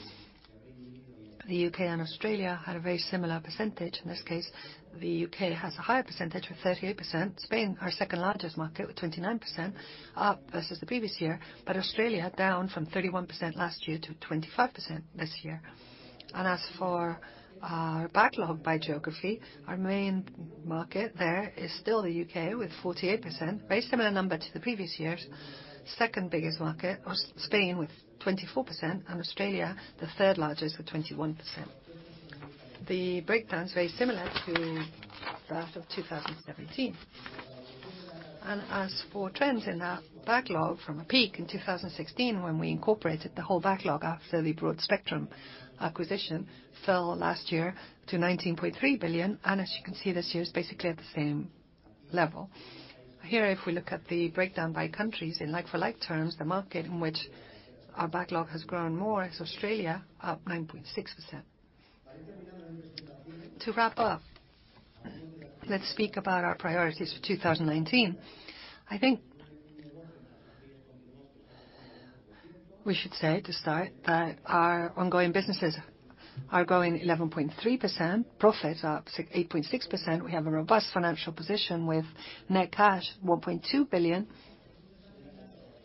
the U.K. and Australia had a very similar percentage. In this case, the U.K. has a higher percentage with 38%. Spain, our second largest market, with 29%, up versus the previous year. Australia down from 31% last year to 25% this year. As for our backlog by geography, our main market there is still the U.K. with 48%. Very similar number to the previous years. Second biggest market was Spain with 24%. Australia, the third largest with 21%. The breakdown is very similar to that of 2017. As for trends in our backlog from a peak in 2016, when we incorporated the whole backlog after the Broadspectrum acquisition, fell last year to 19.3 billion. As you can see this year is basically at the same level. Here, if we look at the breakdown by countries in like-for-like terms, the market in which our backlog has grown more is Australia, up 9.6%. To wrap up, let's speak about our priorities for 2019. I think we should say to start that our ongoing businesses are growing 11.3%. Profits are up 8.6%. We have a robust financial position with net cash 1.2 billion.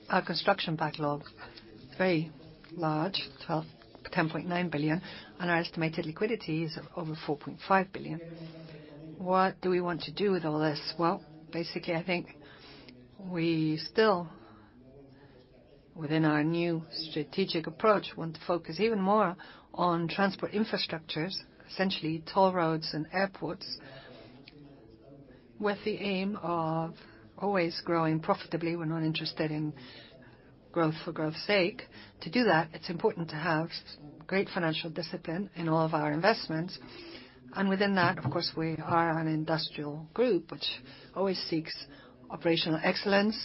Our construction backlog, very large, 10.9 billion. Our estimated liquidity is over 4.5 billion. What do we want to do with all this? Basically, I think we still, within our new strategic approach, want to focus even more on transport infrastructures, essentially toll roads and airports, with the aim of always growing profitably. We're not interested in growth for growth sake. To do that, it's important to have great financial discipline in all of our investments. Within that, of course, we are an industrial group which always seeks operational excellence.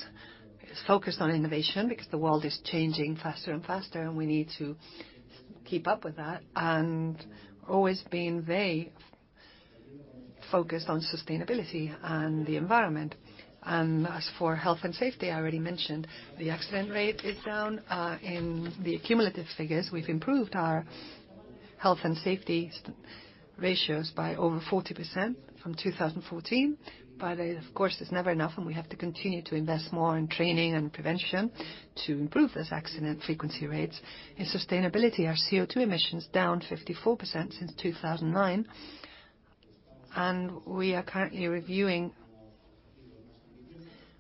It's focused on innovation because the world is changing faster and faster, and we need to keep up with that. Always being very focused on sustainability and the environment. As for health and safety, I already mentioned the accident rate is down. In the cumulative figures, we've improved our health and safety ratios by over 40% from 2014. Of course, it's never enough, and we have to continue to invest more in training and prevention to improve those accident frequency rates. In sustainability, our CO2 emissions is down 54% since 2009. We are currently reviewing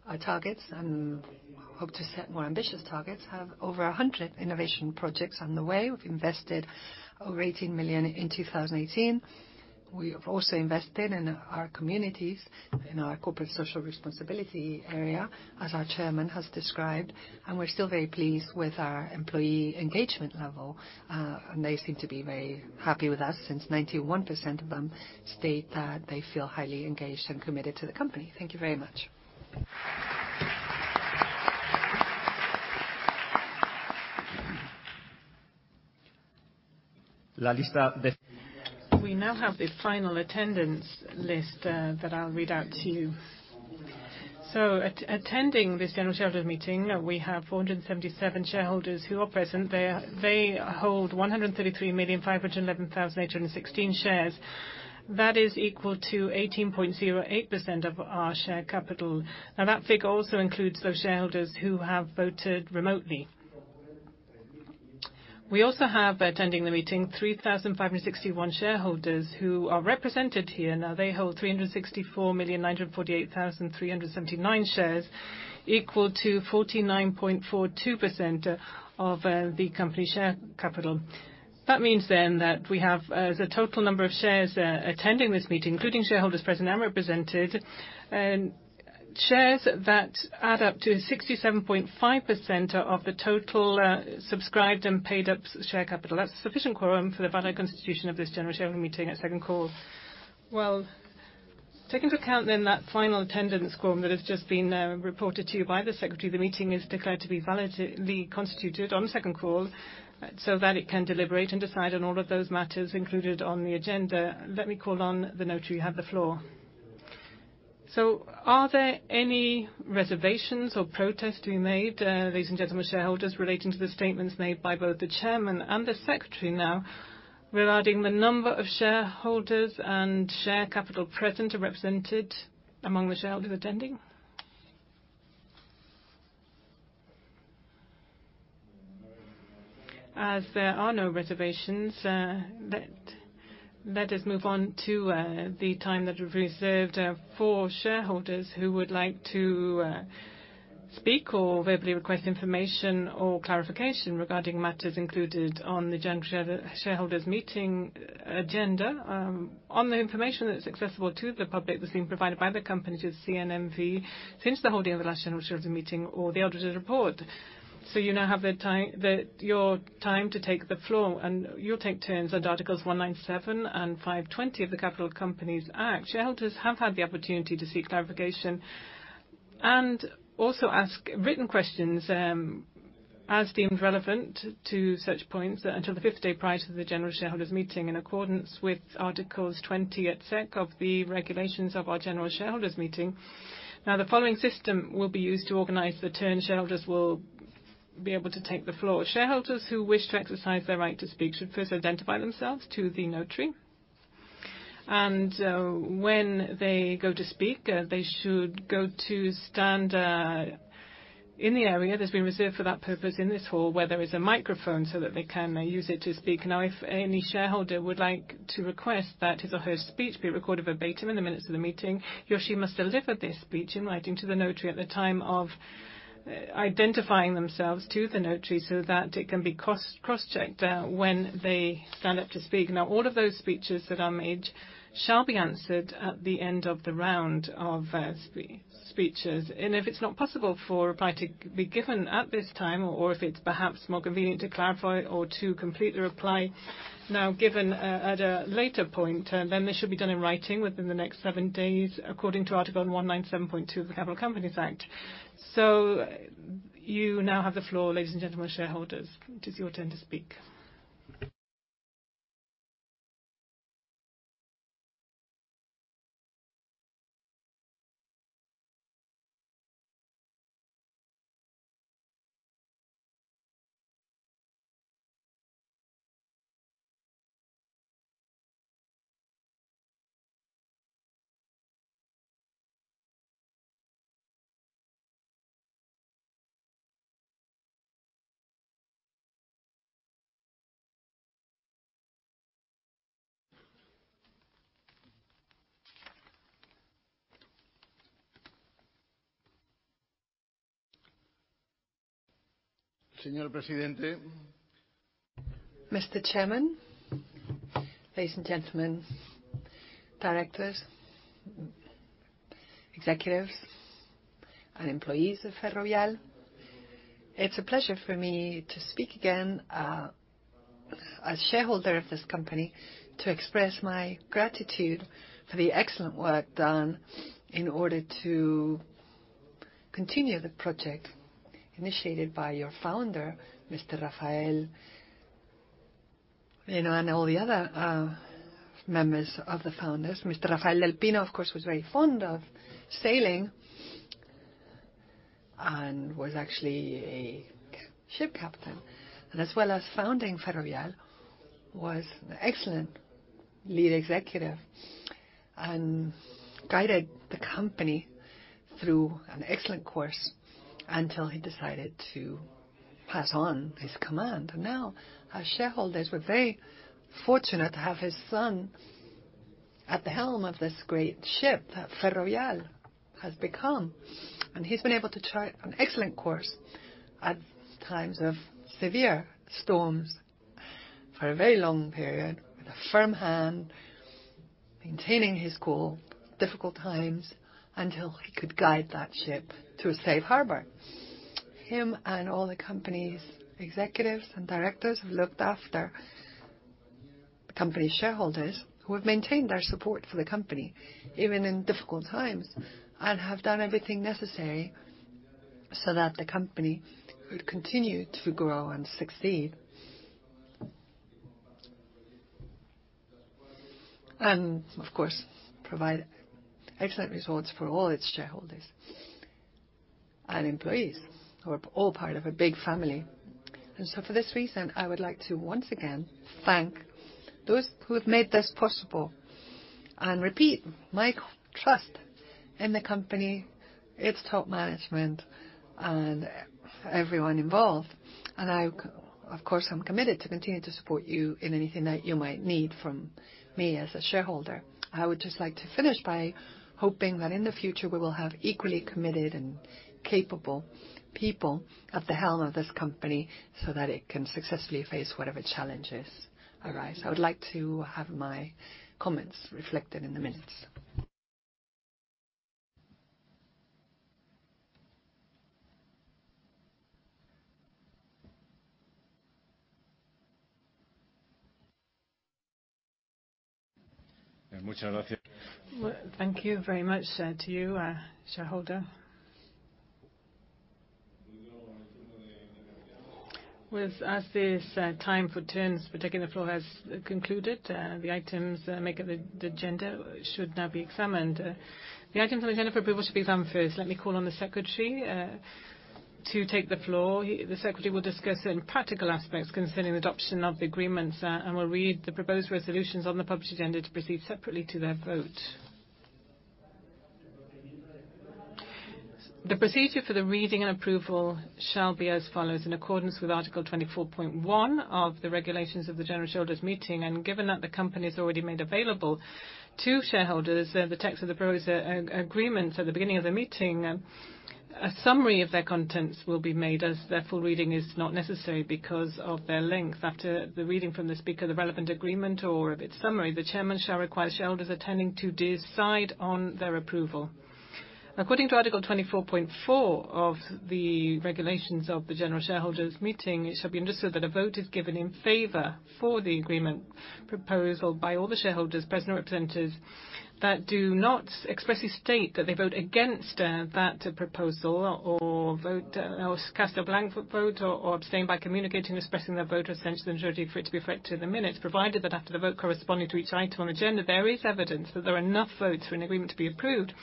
our targets and hope to set more ambitious targets. Have over 100 innovation projects underway. We've invested over 18 million in 2018. We have also invested in our communities, in our corporate social responsibility area, as our chairman has described. We're still very pleased with our employee engagement level. They seem to be very happy with us, since 91% of them state that they feel highly engaged and committed to the company. Thank you very much. We now have the final attendance list that I'll read out to you. Attending this general shareholders meeting, we have 477 shareholders who are present. They hold 133,511,816 shares. That is equal to 18.08% of our share capital. That figure also includes those shareholders who have voted remotely. We also have attending the meeting 3,561 shareholders who are represented here. They hold 364,948,379 shares, equal to 49.42% of the company share capital. That means that we have as a total number of shares attending this meeting, including shareholders present and represented, shares that add up to 67.5% of the total subscribed and paid-up share capital. That is a sufficient quorum for the valid constitution of this general shareholders meeting at second call. Take into account that final attendance quorum that has just been reported to you by the secretary. The meeting is declared to be validly constituted on second call, that it can deliberate and decide on all of those matters included on the agenda. Let me call on the notary. You have the floor. Are there any reservations or protests to be made, ladies and gentlemen shareholders, relating to the statements made by both the chairman and the secretary regarding the number of shareholders and share capital present or represented among the shareholders attending? As there are no reservations, let us move on to the time that we have reserved for shareholders who would like to speak or verbally request information or clarification regarding matters included on the general shareholders' meeting agenda. On the information that is accessible to the public that has been provided by the company to CNMV since the holding of the last general shareholders meeting or the audited report. You now have your time to take the floor, and you will take turns at Articles 197 and 520 of the Capital Companies Act. Shareholders have had the opportunity to seek clarification and also ask written questions as deemed relevant to such points until the fifth day prior to the general shareholders meeting in accordance with Articles 20 et seq of the regulations of our general shareholders meeting. The following system will be used to organize the turn shareholders will be able to take the floor. Shareholders who wish to exercise their right to speak should first identify themselves to the notary. When they go to speak, they should go to stand in the area that has been reserved for that purpose in this hall where there is a microphone that they can use it to speak. If any shareholder would like to request that his or her speech be recorded verbatim in the minutes of the meeting, he or she must deliver this speech in writing to the notary at the time of identifying themselves to the notary that it can be cross-checked when they stand up to speak. All of those speeches that are made shall be answered at the end of the round of speeches. If it is not possible for a reply to be given at this time, or if it is perhaps more convenient to clarify or to complete the reply given at a later point, then this should be done in writing within the next seven days, according to Article 197.2 of the Capital Companies Act. You now have the floor, ladies and gentlemen, shareholders. It is your turn to speak. Mr. Chairman, ladies and gentlemen, directors, executives, and employees of Ferrovial, it's a pleasure for me to speak again, a shareholder of this company, to express my gratitude for the excellent work done in order to continue the project initiated by your founder, Mr. Rafael, and all the other members of the founders. Mr. Rafael del Pino, of course, was very fond of sailing and was actually a ship captain. As well as founding Ferrovial, was an excellent lead executive and guided the company through an excellent course until he decided to pass on his command. Now, as shareholders, we're very fortunate to have his son at the helm of this great ship that Ferrovial has become. He's been able to chart an excellent course at times of severe storms for a very long period with a firm hand, maintaining his cool, difficult times, until he could guide that ship to a safe harbor. Him and all the company's executives and directors have looked after the company's shareholders, who have maintained their support for the company, even in difficult times, and have done everything necessary so that the company could continue to grow and succeed. Of course, provide excellent results for all its shareholders and employees, who are all part of a big family. For this reason, I would like to once again thank those who have made this possible, and repeat my trust in the company, its top management, and everyone involved. I, of course, am committed to continue to support you in anything that you might need from me as a shareholder. I would just like to finish by hoping that in the future, we will have equally committed and capable people at the helm of this company so that it can successfully face whatever challenges arise. I would like to have my comments reflected in the minutes. Thank you very much to you, shareholders. As this time for turns for taking the floor has concluded, the items that make up the agenda should now be examined. The items on the agenda for approval should be examined first. Let me call on the secretary to take the floor. The secretary will discuss certain practical aspects concerning the adoption of the agreements and will read the proposed resolutions on the published agenda to proceed separately to their vote. The procedure for the reading and approval shall be as follows. In accordance with Article 24.1 of the regulations of the general shareholders' meeting, and given that the company has already made available to shareholders the text of the proposed agreements at the beginning of the meeting, a summary of their contents will be made as their full reading is not necessary because of their length. After the reading from the speaker the relevant agreement or of its summary, the chairman shall require shareholders attending to decide on their approval. According to Article 24.4 of the regulations of the general shareholders' meeting, it shall be understood that a vote is given in favor for the agreement proposed by all the shareholders, present or represented, that do not expressly state that they vote against that proposal, or cast a blank vote, or abstain by communicating or expressing their vote or abstention to the majority for it to be reflected in the minutes. Provided that after the vote corresponding to each item on agenda, there is evidence that there are enough votes for an agreement to be approved,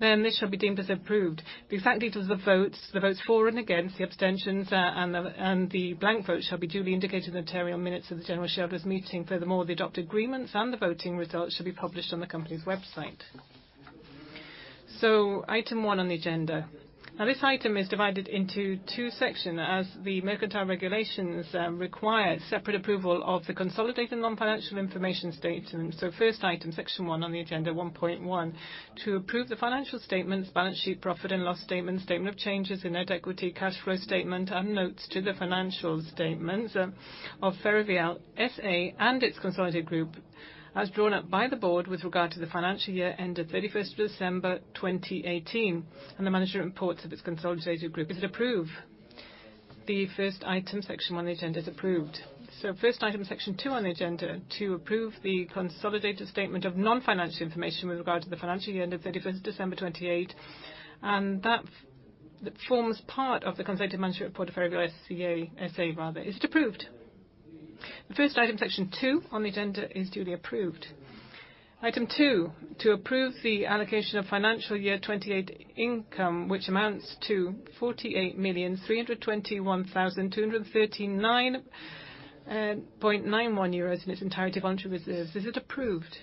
this shall be deemed as approved. The exact details of the votes, the votes for and against, the abstentions, and the blank votes shall be duly indicated in the material minutes of the general shareholders' meeting. Furthermore, the adopted agreements and the voting results should be published on the company's website. Item one on the agenda. This item is divided into two sections, as the mercantile regulations require separate approval of the consolidated non-financial information statement. First item, section one on the agenda, 1.1, to approve the financial statements, balance sheet, profit and loss statement of changes in net equity, cash flow statement, and notes to the financial statements of Ferrovial S.A. and its consolidated group, as drawn up by the board with regard to the financial year ended 31st of December 2018, and the management reports of its consolidated group. Is it approved? The first item, section one of the agenda is approved. First item, section two on the agenda, to approve the consolidated statement of non-financial information with regard to the financial year end of 31st December 2018, and that forms part of the consolidated management report of Ferrovial S.A. Is it approved? The first item, section two on the agenda is duly approved. Item two, to approve the allocation of financial year 2018 income, which amounts to 48,321,239.91 euros in its entirety voluntary reserves. Is it approved?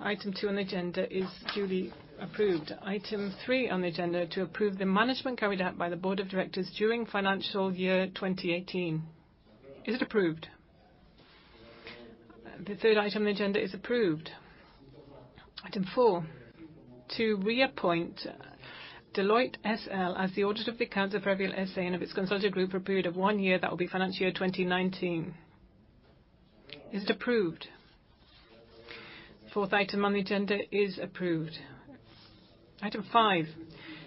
Item two on the agenda is duly approved. Item three on the agenda, to approve the management carried out by the board of directors during financial year 2018. Is it approved? The third item on the agenda is approved. Item four, to reappoint Deloitte S.L. as the auditor of the accounts of Ferrovial S.A. and of its consolidated group for a period of one year, that will be financial year 2019. Is it approved? Fourth item on the agenda is approved. Item five.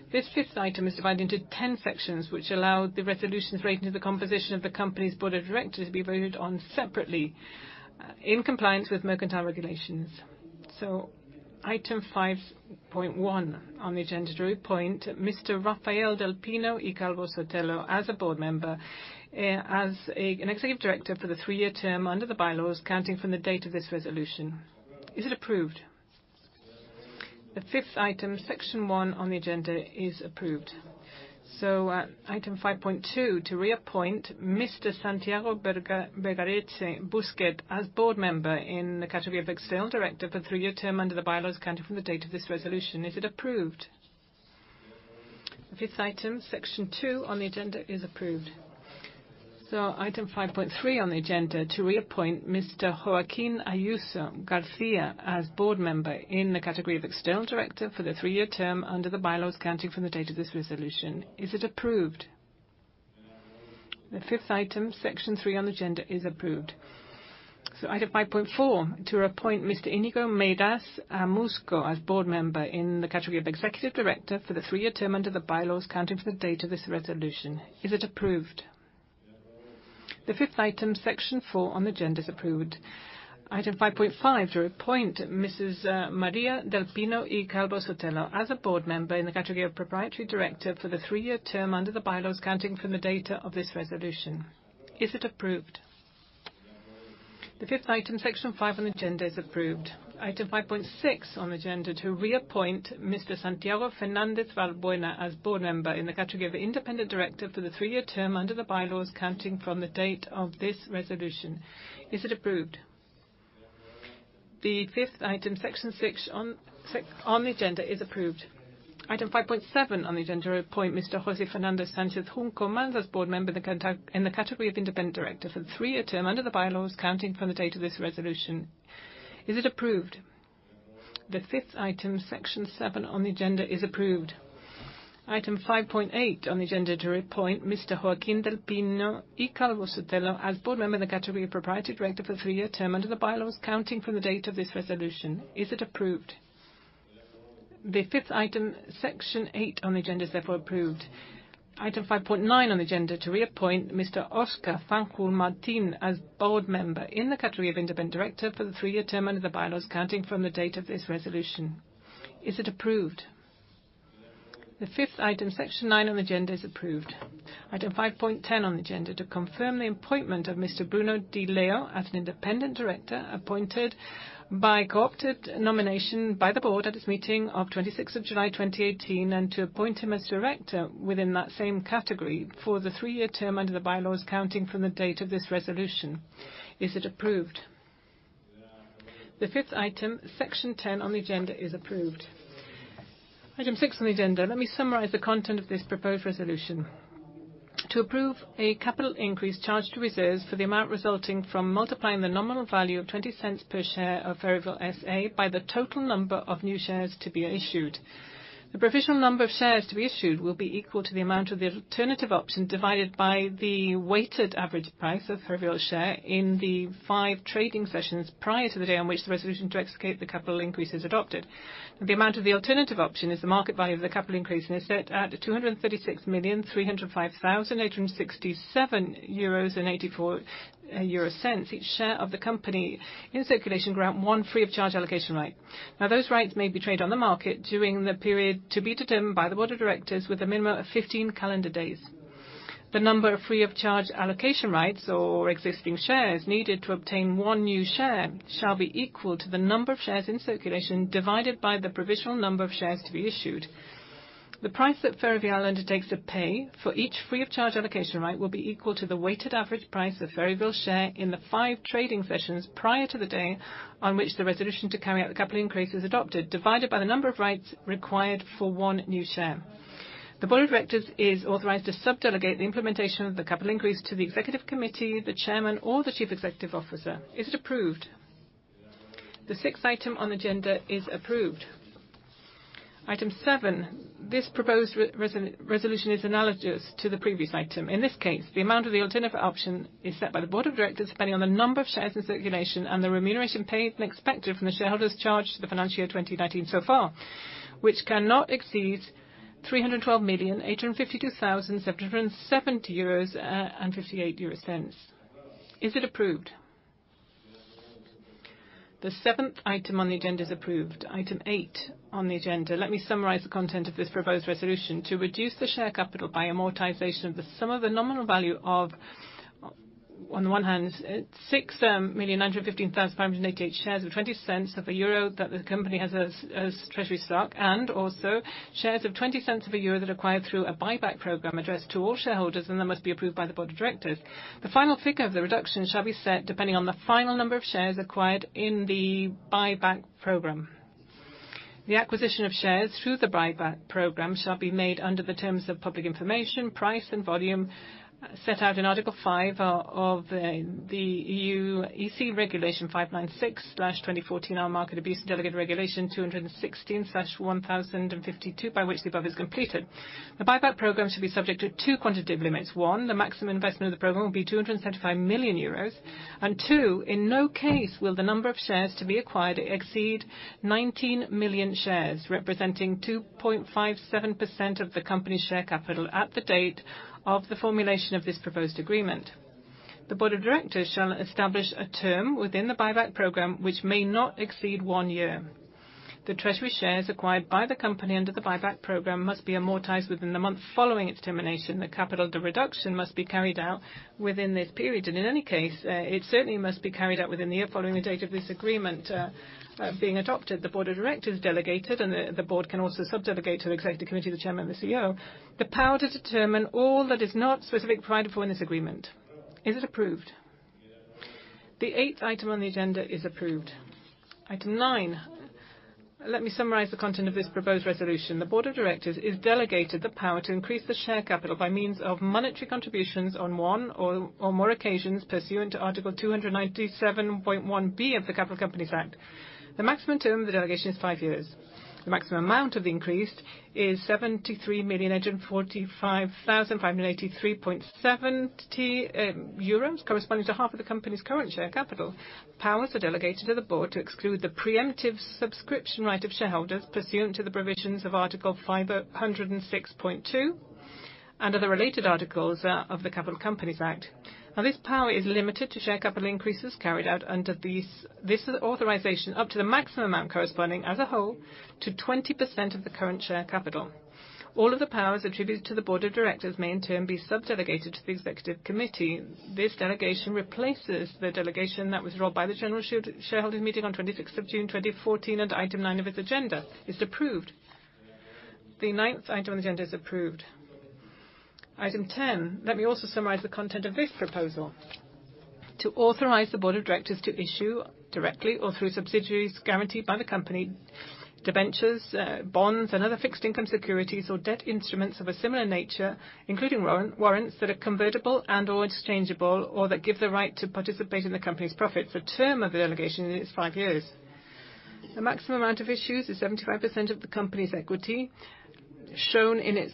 This fifth item is divided into 10 sections, which allow the resolutions relating to the composition of the company's board of directors be voted on separately, in compliance with mercantile regulations. Item 5.1 on the agenda, to reappoint Mr. Rafael del Pino y Calvo-Sotelo as a board member, as an executive director for the three-year term under the bylaws, counting from the date of this resolution. Is it approved? The fifth item, section one on the agenda is approved. Item 5.2, to reappoint Mr. Santiago Bergareche Busquet as board member in the category of external director for three-year term under the bylaws, counting from the date of this resolution. Is it approved? Fifth item, section two on the agenda is approved. Item 5.3 on the agenda, to reappoint Mr. Joaquín Ayuso García as board member in the category of external director for the three-year term under the bylaws, counting from the date of this resolution. Is it approved? The fifth item, section three on the agenda is approved. Item 5.4, to appoint Mr. Íñigo Meirás Amusco as board member in the category of executive director for the three-year term under the bylaws, counting from the date of this resolution. Is it approved? The fifth item, section four on the agenda is approved. Item 5.5, to appoint Mrs. María del Pino y Calvo-Sotelo as a board member in the category of proprietary director for the three-year term under the bylaws, counting from the date of this resolution. Is it approved? The fifth item, section five on the agenda is approved. Item 5.6 on the agenda, to reappoint Mr. Santiago Fernández Valbuena as board member in the category of independent director for the three-year term under the bylaws, counting from the date of this resolution. Is it approved? The fifth item, section six on the agenda is approved. Item 5.7 on the agenda, to appoint Mr. José Fernando Sánchez-Junco Mans as board member in the category of independent director for the three-year term under the bylaws, counting from the date of this resolution. Is it approved? The fifth item, section seven on the agenda is approved. Item 5.8 on the agenda, to reappoint Mr. Joaquín del Pino y Calvo-Sotelo as board member in the category of proprietary director for the three-year term under the bylaws, counting from the date of this resolution. Is it approved? The fifth item, section eight on the agenda is therefore approved. Item 5.9 on the agenda, to reappoint Mr. Óscar Fanjul Martín as board member in the category of independent director for the three-year term under the bylaws, counting from the date of this resolution. Is it approved? The fifth item, section nine on the agenda is approved. Item 5.10 on the agenda, to confirm the appointment of Mr. Bruno Di Leo as an independent director appointed by co-opted nomination by the board at its meeting of 26th of July 2018, and to appoint him as director within that same category for the three-year term under the bylaws, counting from the date of this resolution. Is it approved? Yes. The fifth item, section 10 on the agenda is approved. Item six on the agenda. Let me summarize the content of this proposed resolution. To approve a capital increase charged to reserves for the amount resulting from multiplying the nominal value of 0.20 per share of Ferrovial S.A. by the total number of new shares to be issued. The provisional number of shares to be issued will be equal to the amount of the alternative option divided by the weighted average price of Ferrovial share in the five trading sessions prior to the day on which the resolution to execute the capital increase is adopted. The amount of the alternative option is the market value of the capital increase and is set at 236,305,867.84 euros. Each share of the company in circulation grant one free of charge allocation right. Those rights may be traded on the market during the period to be determined by the board of directors with a minimum of 15 calendar days. The number of free of charge allocation rights or existing shares needed to obtain one new share shall be equal to the number of shares in circulation divided by the provisional number of shares to be issued. The price that Ferrovial undertakes to pay for each free of charge allocation right will be equal to the weighted average price of Ferrovial share in the five trading sessions prior to the day on which the resolution to carry out the capital increase is adopted, divided by the number of rights required for one new share. The Board of Directors is authorized to sub-delegate the implementation of the capital increase to the Executive Committee, the Chairman or the Chief Executive Officer. Is it approved? Yes. The sixth item on the agenda is approved. Item seven. This proposed resolution is analogous to the previous item. In this case, the amount of the alternative option is set by the Board of Directors, depending on the number of shares in circulation and the remuneration paid and expected from the shareholders charged to the financial year 2019 so far, which cannot exceed 312,852,770.58 euros. Is it approved? Yes. The seventh item on the agenda is approved. Item eight on the agenda. Let me summarize the content of this proposed resolution. To reduce the share capital by amortization of the sum of the nominal value of, on one hand, 6,915,588 shares of 0.20 that the company has as treasury stock, and also shares of 0.20 that are acquired through a buyback program addressed to all shareholders and that must be approved by the Board of Directors. The final figure of the reduction shall be set depending on the final number of shares acquired in the buyback program. The acquisition of shares through the buyback program shall be made under the terms of public information, price, and volume set out in Article 5 of Regulation (EU) No 596/2014 on market abuse and Commission Delegated Regulation (EU) 2016/1052 by which the above is completed. The buyback program should be subject to two quantitative limits. One, the maximum investment of the program will be 275 million euros, and two, in no case will the number of shares to be acquired exceed 19 million shares, representing 2.57% of the company share capital at the date of the formulation of this proposed agreement. The Board of Directors shall establish a term within the buyback program, which may not exceed one year. The treasury shares acquired by the company under the buyback program must be amortized within the month following its termination. The capital reduction must be carried out within this period, and in any case, it certainly must be carried out within the year following the date of this agreement being adopted. The Board of Directors delegated, and the Board can also sub-delegate to the Executive Committee, the Chairman, and the CEO, the power to determine all that is not specifically provided for in this agreement. Is it approved? Yes. The eighth item on the agenda is approved. Item nine. Let me summarize the content of this proposed resolution. The Board of Directors is delegated the power to increase the share capital by means of monetary contributions on one or more occasions pursuant to Article 297.1.b of the Capital Companies Act. The maximum term of the delegation is five years. The maximum amount of the increase is €73,145,583.70, corresponding to half of the company's current share capital. Powers are delegated to the Board to exclude the preemptive subscription right of shareholders pursuant to the provisions of Article 506.2 and other related articles of the Capital Companies Act. This power is limited to share capital increases carried out under this authorization up to the maximum amount corresponding as a whole to 20% of the current share capital. All of the powers attributed to the Board of Directors may in turn be sub-delegated to the Executive Committee. This delegation replaces the delegation that was [re-rolled] by the General Shareholders Meeting on 26th of June 2014 under item nine of its agenda. Is it approved? Yes. The ninth item on the agenda is approved. Item 10. Let me also summarize the content of this proposal. To authorize the Board of Directors to issue directly or through subsidiaries guaranteed by the company debentures, bonds, and other fixed income securities or debt instruments of a similar nature, including warrants that are convertible and/or interchangeable or that give the right to participate in the company's profits. The term of the delegation is five years. The maximum amount of issues is 75% of the company's equity shown in its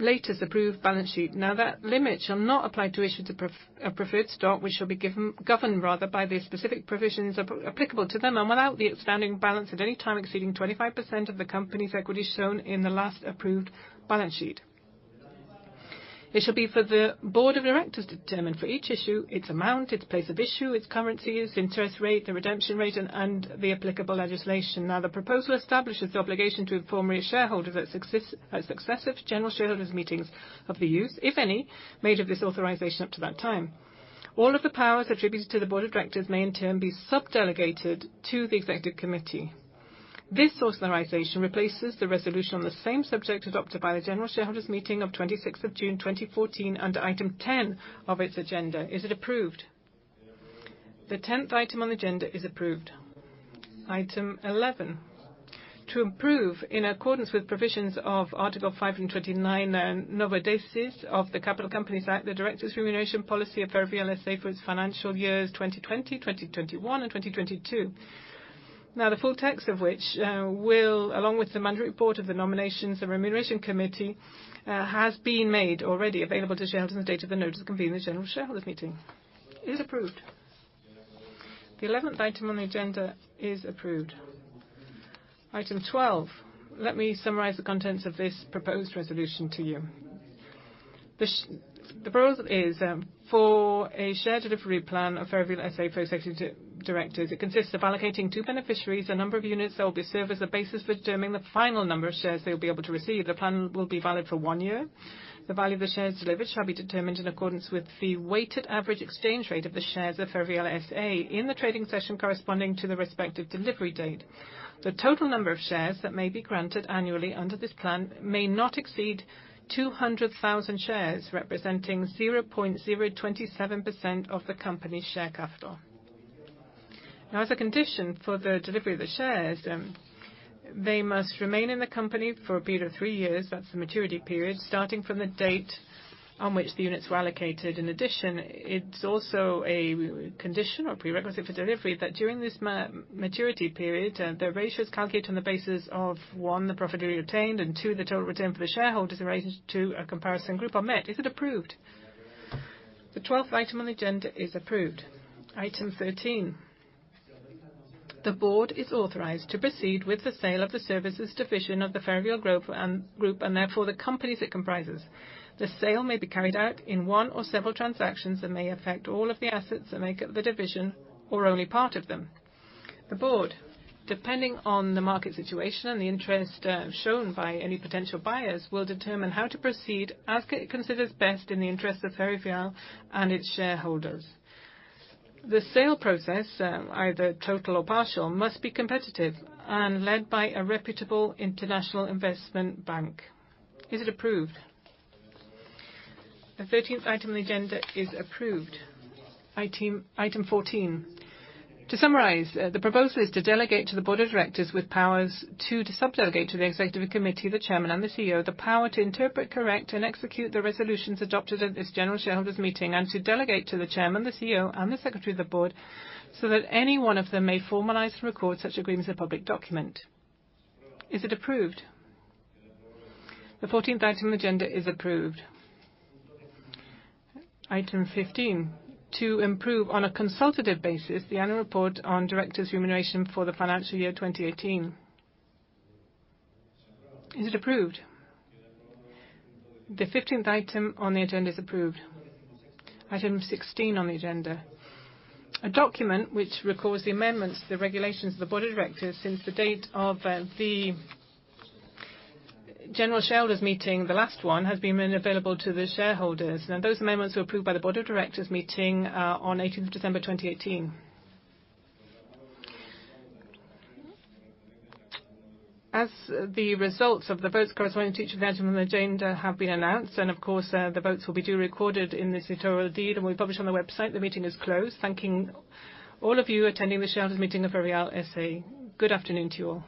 latest approved balance sheet. That limit shall not apply to issues of preferred stock, which shall be governed rather by the specific provisions applicable to them and without the outstanding balance at any time exceeding 25% of the company's equity shown in the last approved balance sheet. It shall be for the Board of Directors to determine for each issue its amount, its place of issue, its currencies, interest rate, the redemption rate, and the applicable legislation. The proposal establishes the obligation to inform its shareholders at successive General Shareholders Meetings of the use, if any, made of this authorization up to that time. All of the powers attributed to the Board of Directors may in turn be sub-delegated to the Executive Committee. This authorization replaces the resolution on the same subject adopted by the General Shareholders Meeting of 26th of June 2014 under item 10 of its agenda. Is it approved? Approved. The 10th item on the agenda is approved. Item 11, to improve, in accordance with provisions of Article 529 novodecies of the Capital Companies Act, the directors' remuneration policy of Ferrovial S.A. for its financial years 2020, 2021, and 2022. The full text of which will, along with the management report of the Nominations, the Remuneration Committee, has been made already available to shareholders on the date of the notice of convening the General Shareholders Meeting. Is it approved? Approved. The 11th item on the agenda is approved. Item 12, let me summarize the contents of this proposed resolution to you. The proposal is for a share delivery plan of Ferrovial S.A. for its executive directors. It consists of allocating two beneficiaries, a number of units that will be served as the basis for determining the final number of shares they'll be able to receive. The plan will be valid for one year. The value of the shares delivered shall be determined in accordance with the weighted average exchange rate of the shares of Ferrovial S.A. in the trading session corresponding to the respective delivery date. The total number of shares that may be granted annually under this plan may not exceed 200,000 shares, representing 0.027% of the company's share capital. As a condition for the delivery of the shares, they must remain in the company for a period of three years, that's the maturity period, starting from the date on which the units were allocated. In addition, it's also a condition or prerequisite for delivery that during this maturity period, the ratios calculated on the basis of, one, the profit we retained, and two, the total return for the shareholders in relation to a comparison group are met. Is it approved? Approved. The 12th item on the agenda is approved. Item 13, the Board is authorized to proceed with the sale of the services division of the Ferrovial Group, and therefore the companies it comprises. The sale may be carried out in one or several transactions and may affect all of the assets that make up the division, or only part of them. The Board, depending on the market situation and the interest shown by any potential buyers, will determine how to proceed as it considers best in the interest of Ferrovial and its shareholders. The sale process, either total or partial, must be competitive and led by a reputable international investment bank. Is it approved? Approved. The 13th item on the agenda is approved. Item 14, to summarize, the proposal is to delegate to the Board of Directors with powers, two, to sub-delegate to the Executive Committee, the Chairman and the CEO, the power to interpret, correct, and execute the resolutions adopted at this general shareholders meeting, and to delegate to the Chairman, the CEO, and the Secretary of the Board so that any one of them may formalize and record such agreements in a public document. Is it approved? Approved. The 14th item on the agenda is approved. Item 15, to approve on a consultative basis, the annual report on directors' remuneration for the financial year 2018. Is it approved? Approved. The 15th item on the agenda is approved. Item 16 on the agenda, a document which records the amendments to the regulations of the Board of Directors since the date of the General Shareholders Meeting, the last one, has been made available to the shareholders. Those amendments were approved by the Board of Directors meeting on the 18th of December 2018. The results of the votes corresponding to each item on the agenda have been announced, and of course, the votes will be duly recorded in this notarial deed and will be published on the website, the meeting is closed. Thanking all of you attending the Shareholders Meeting of Ferrovial S.A. Good afternoon to you all.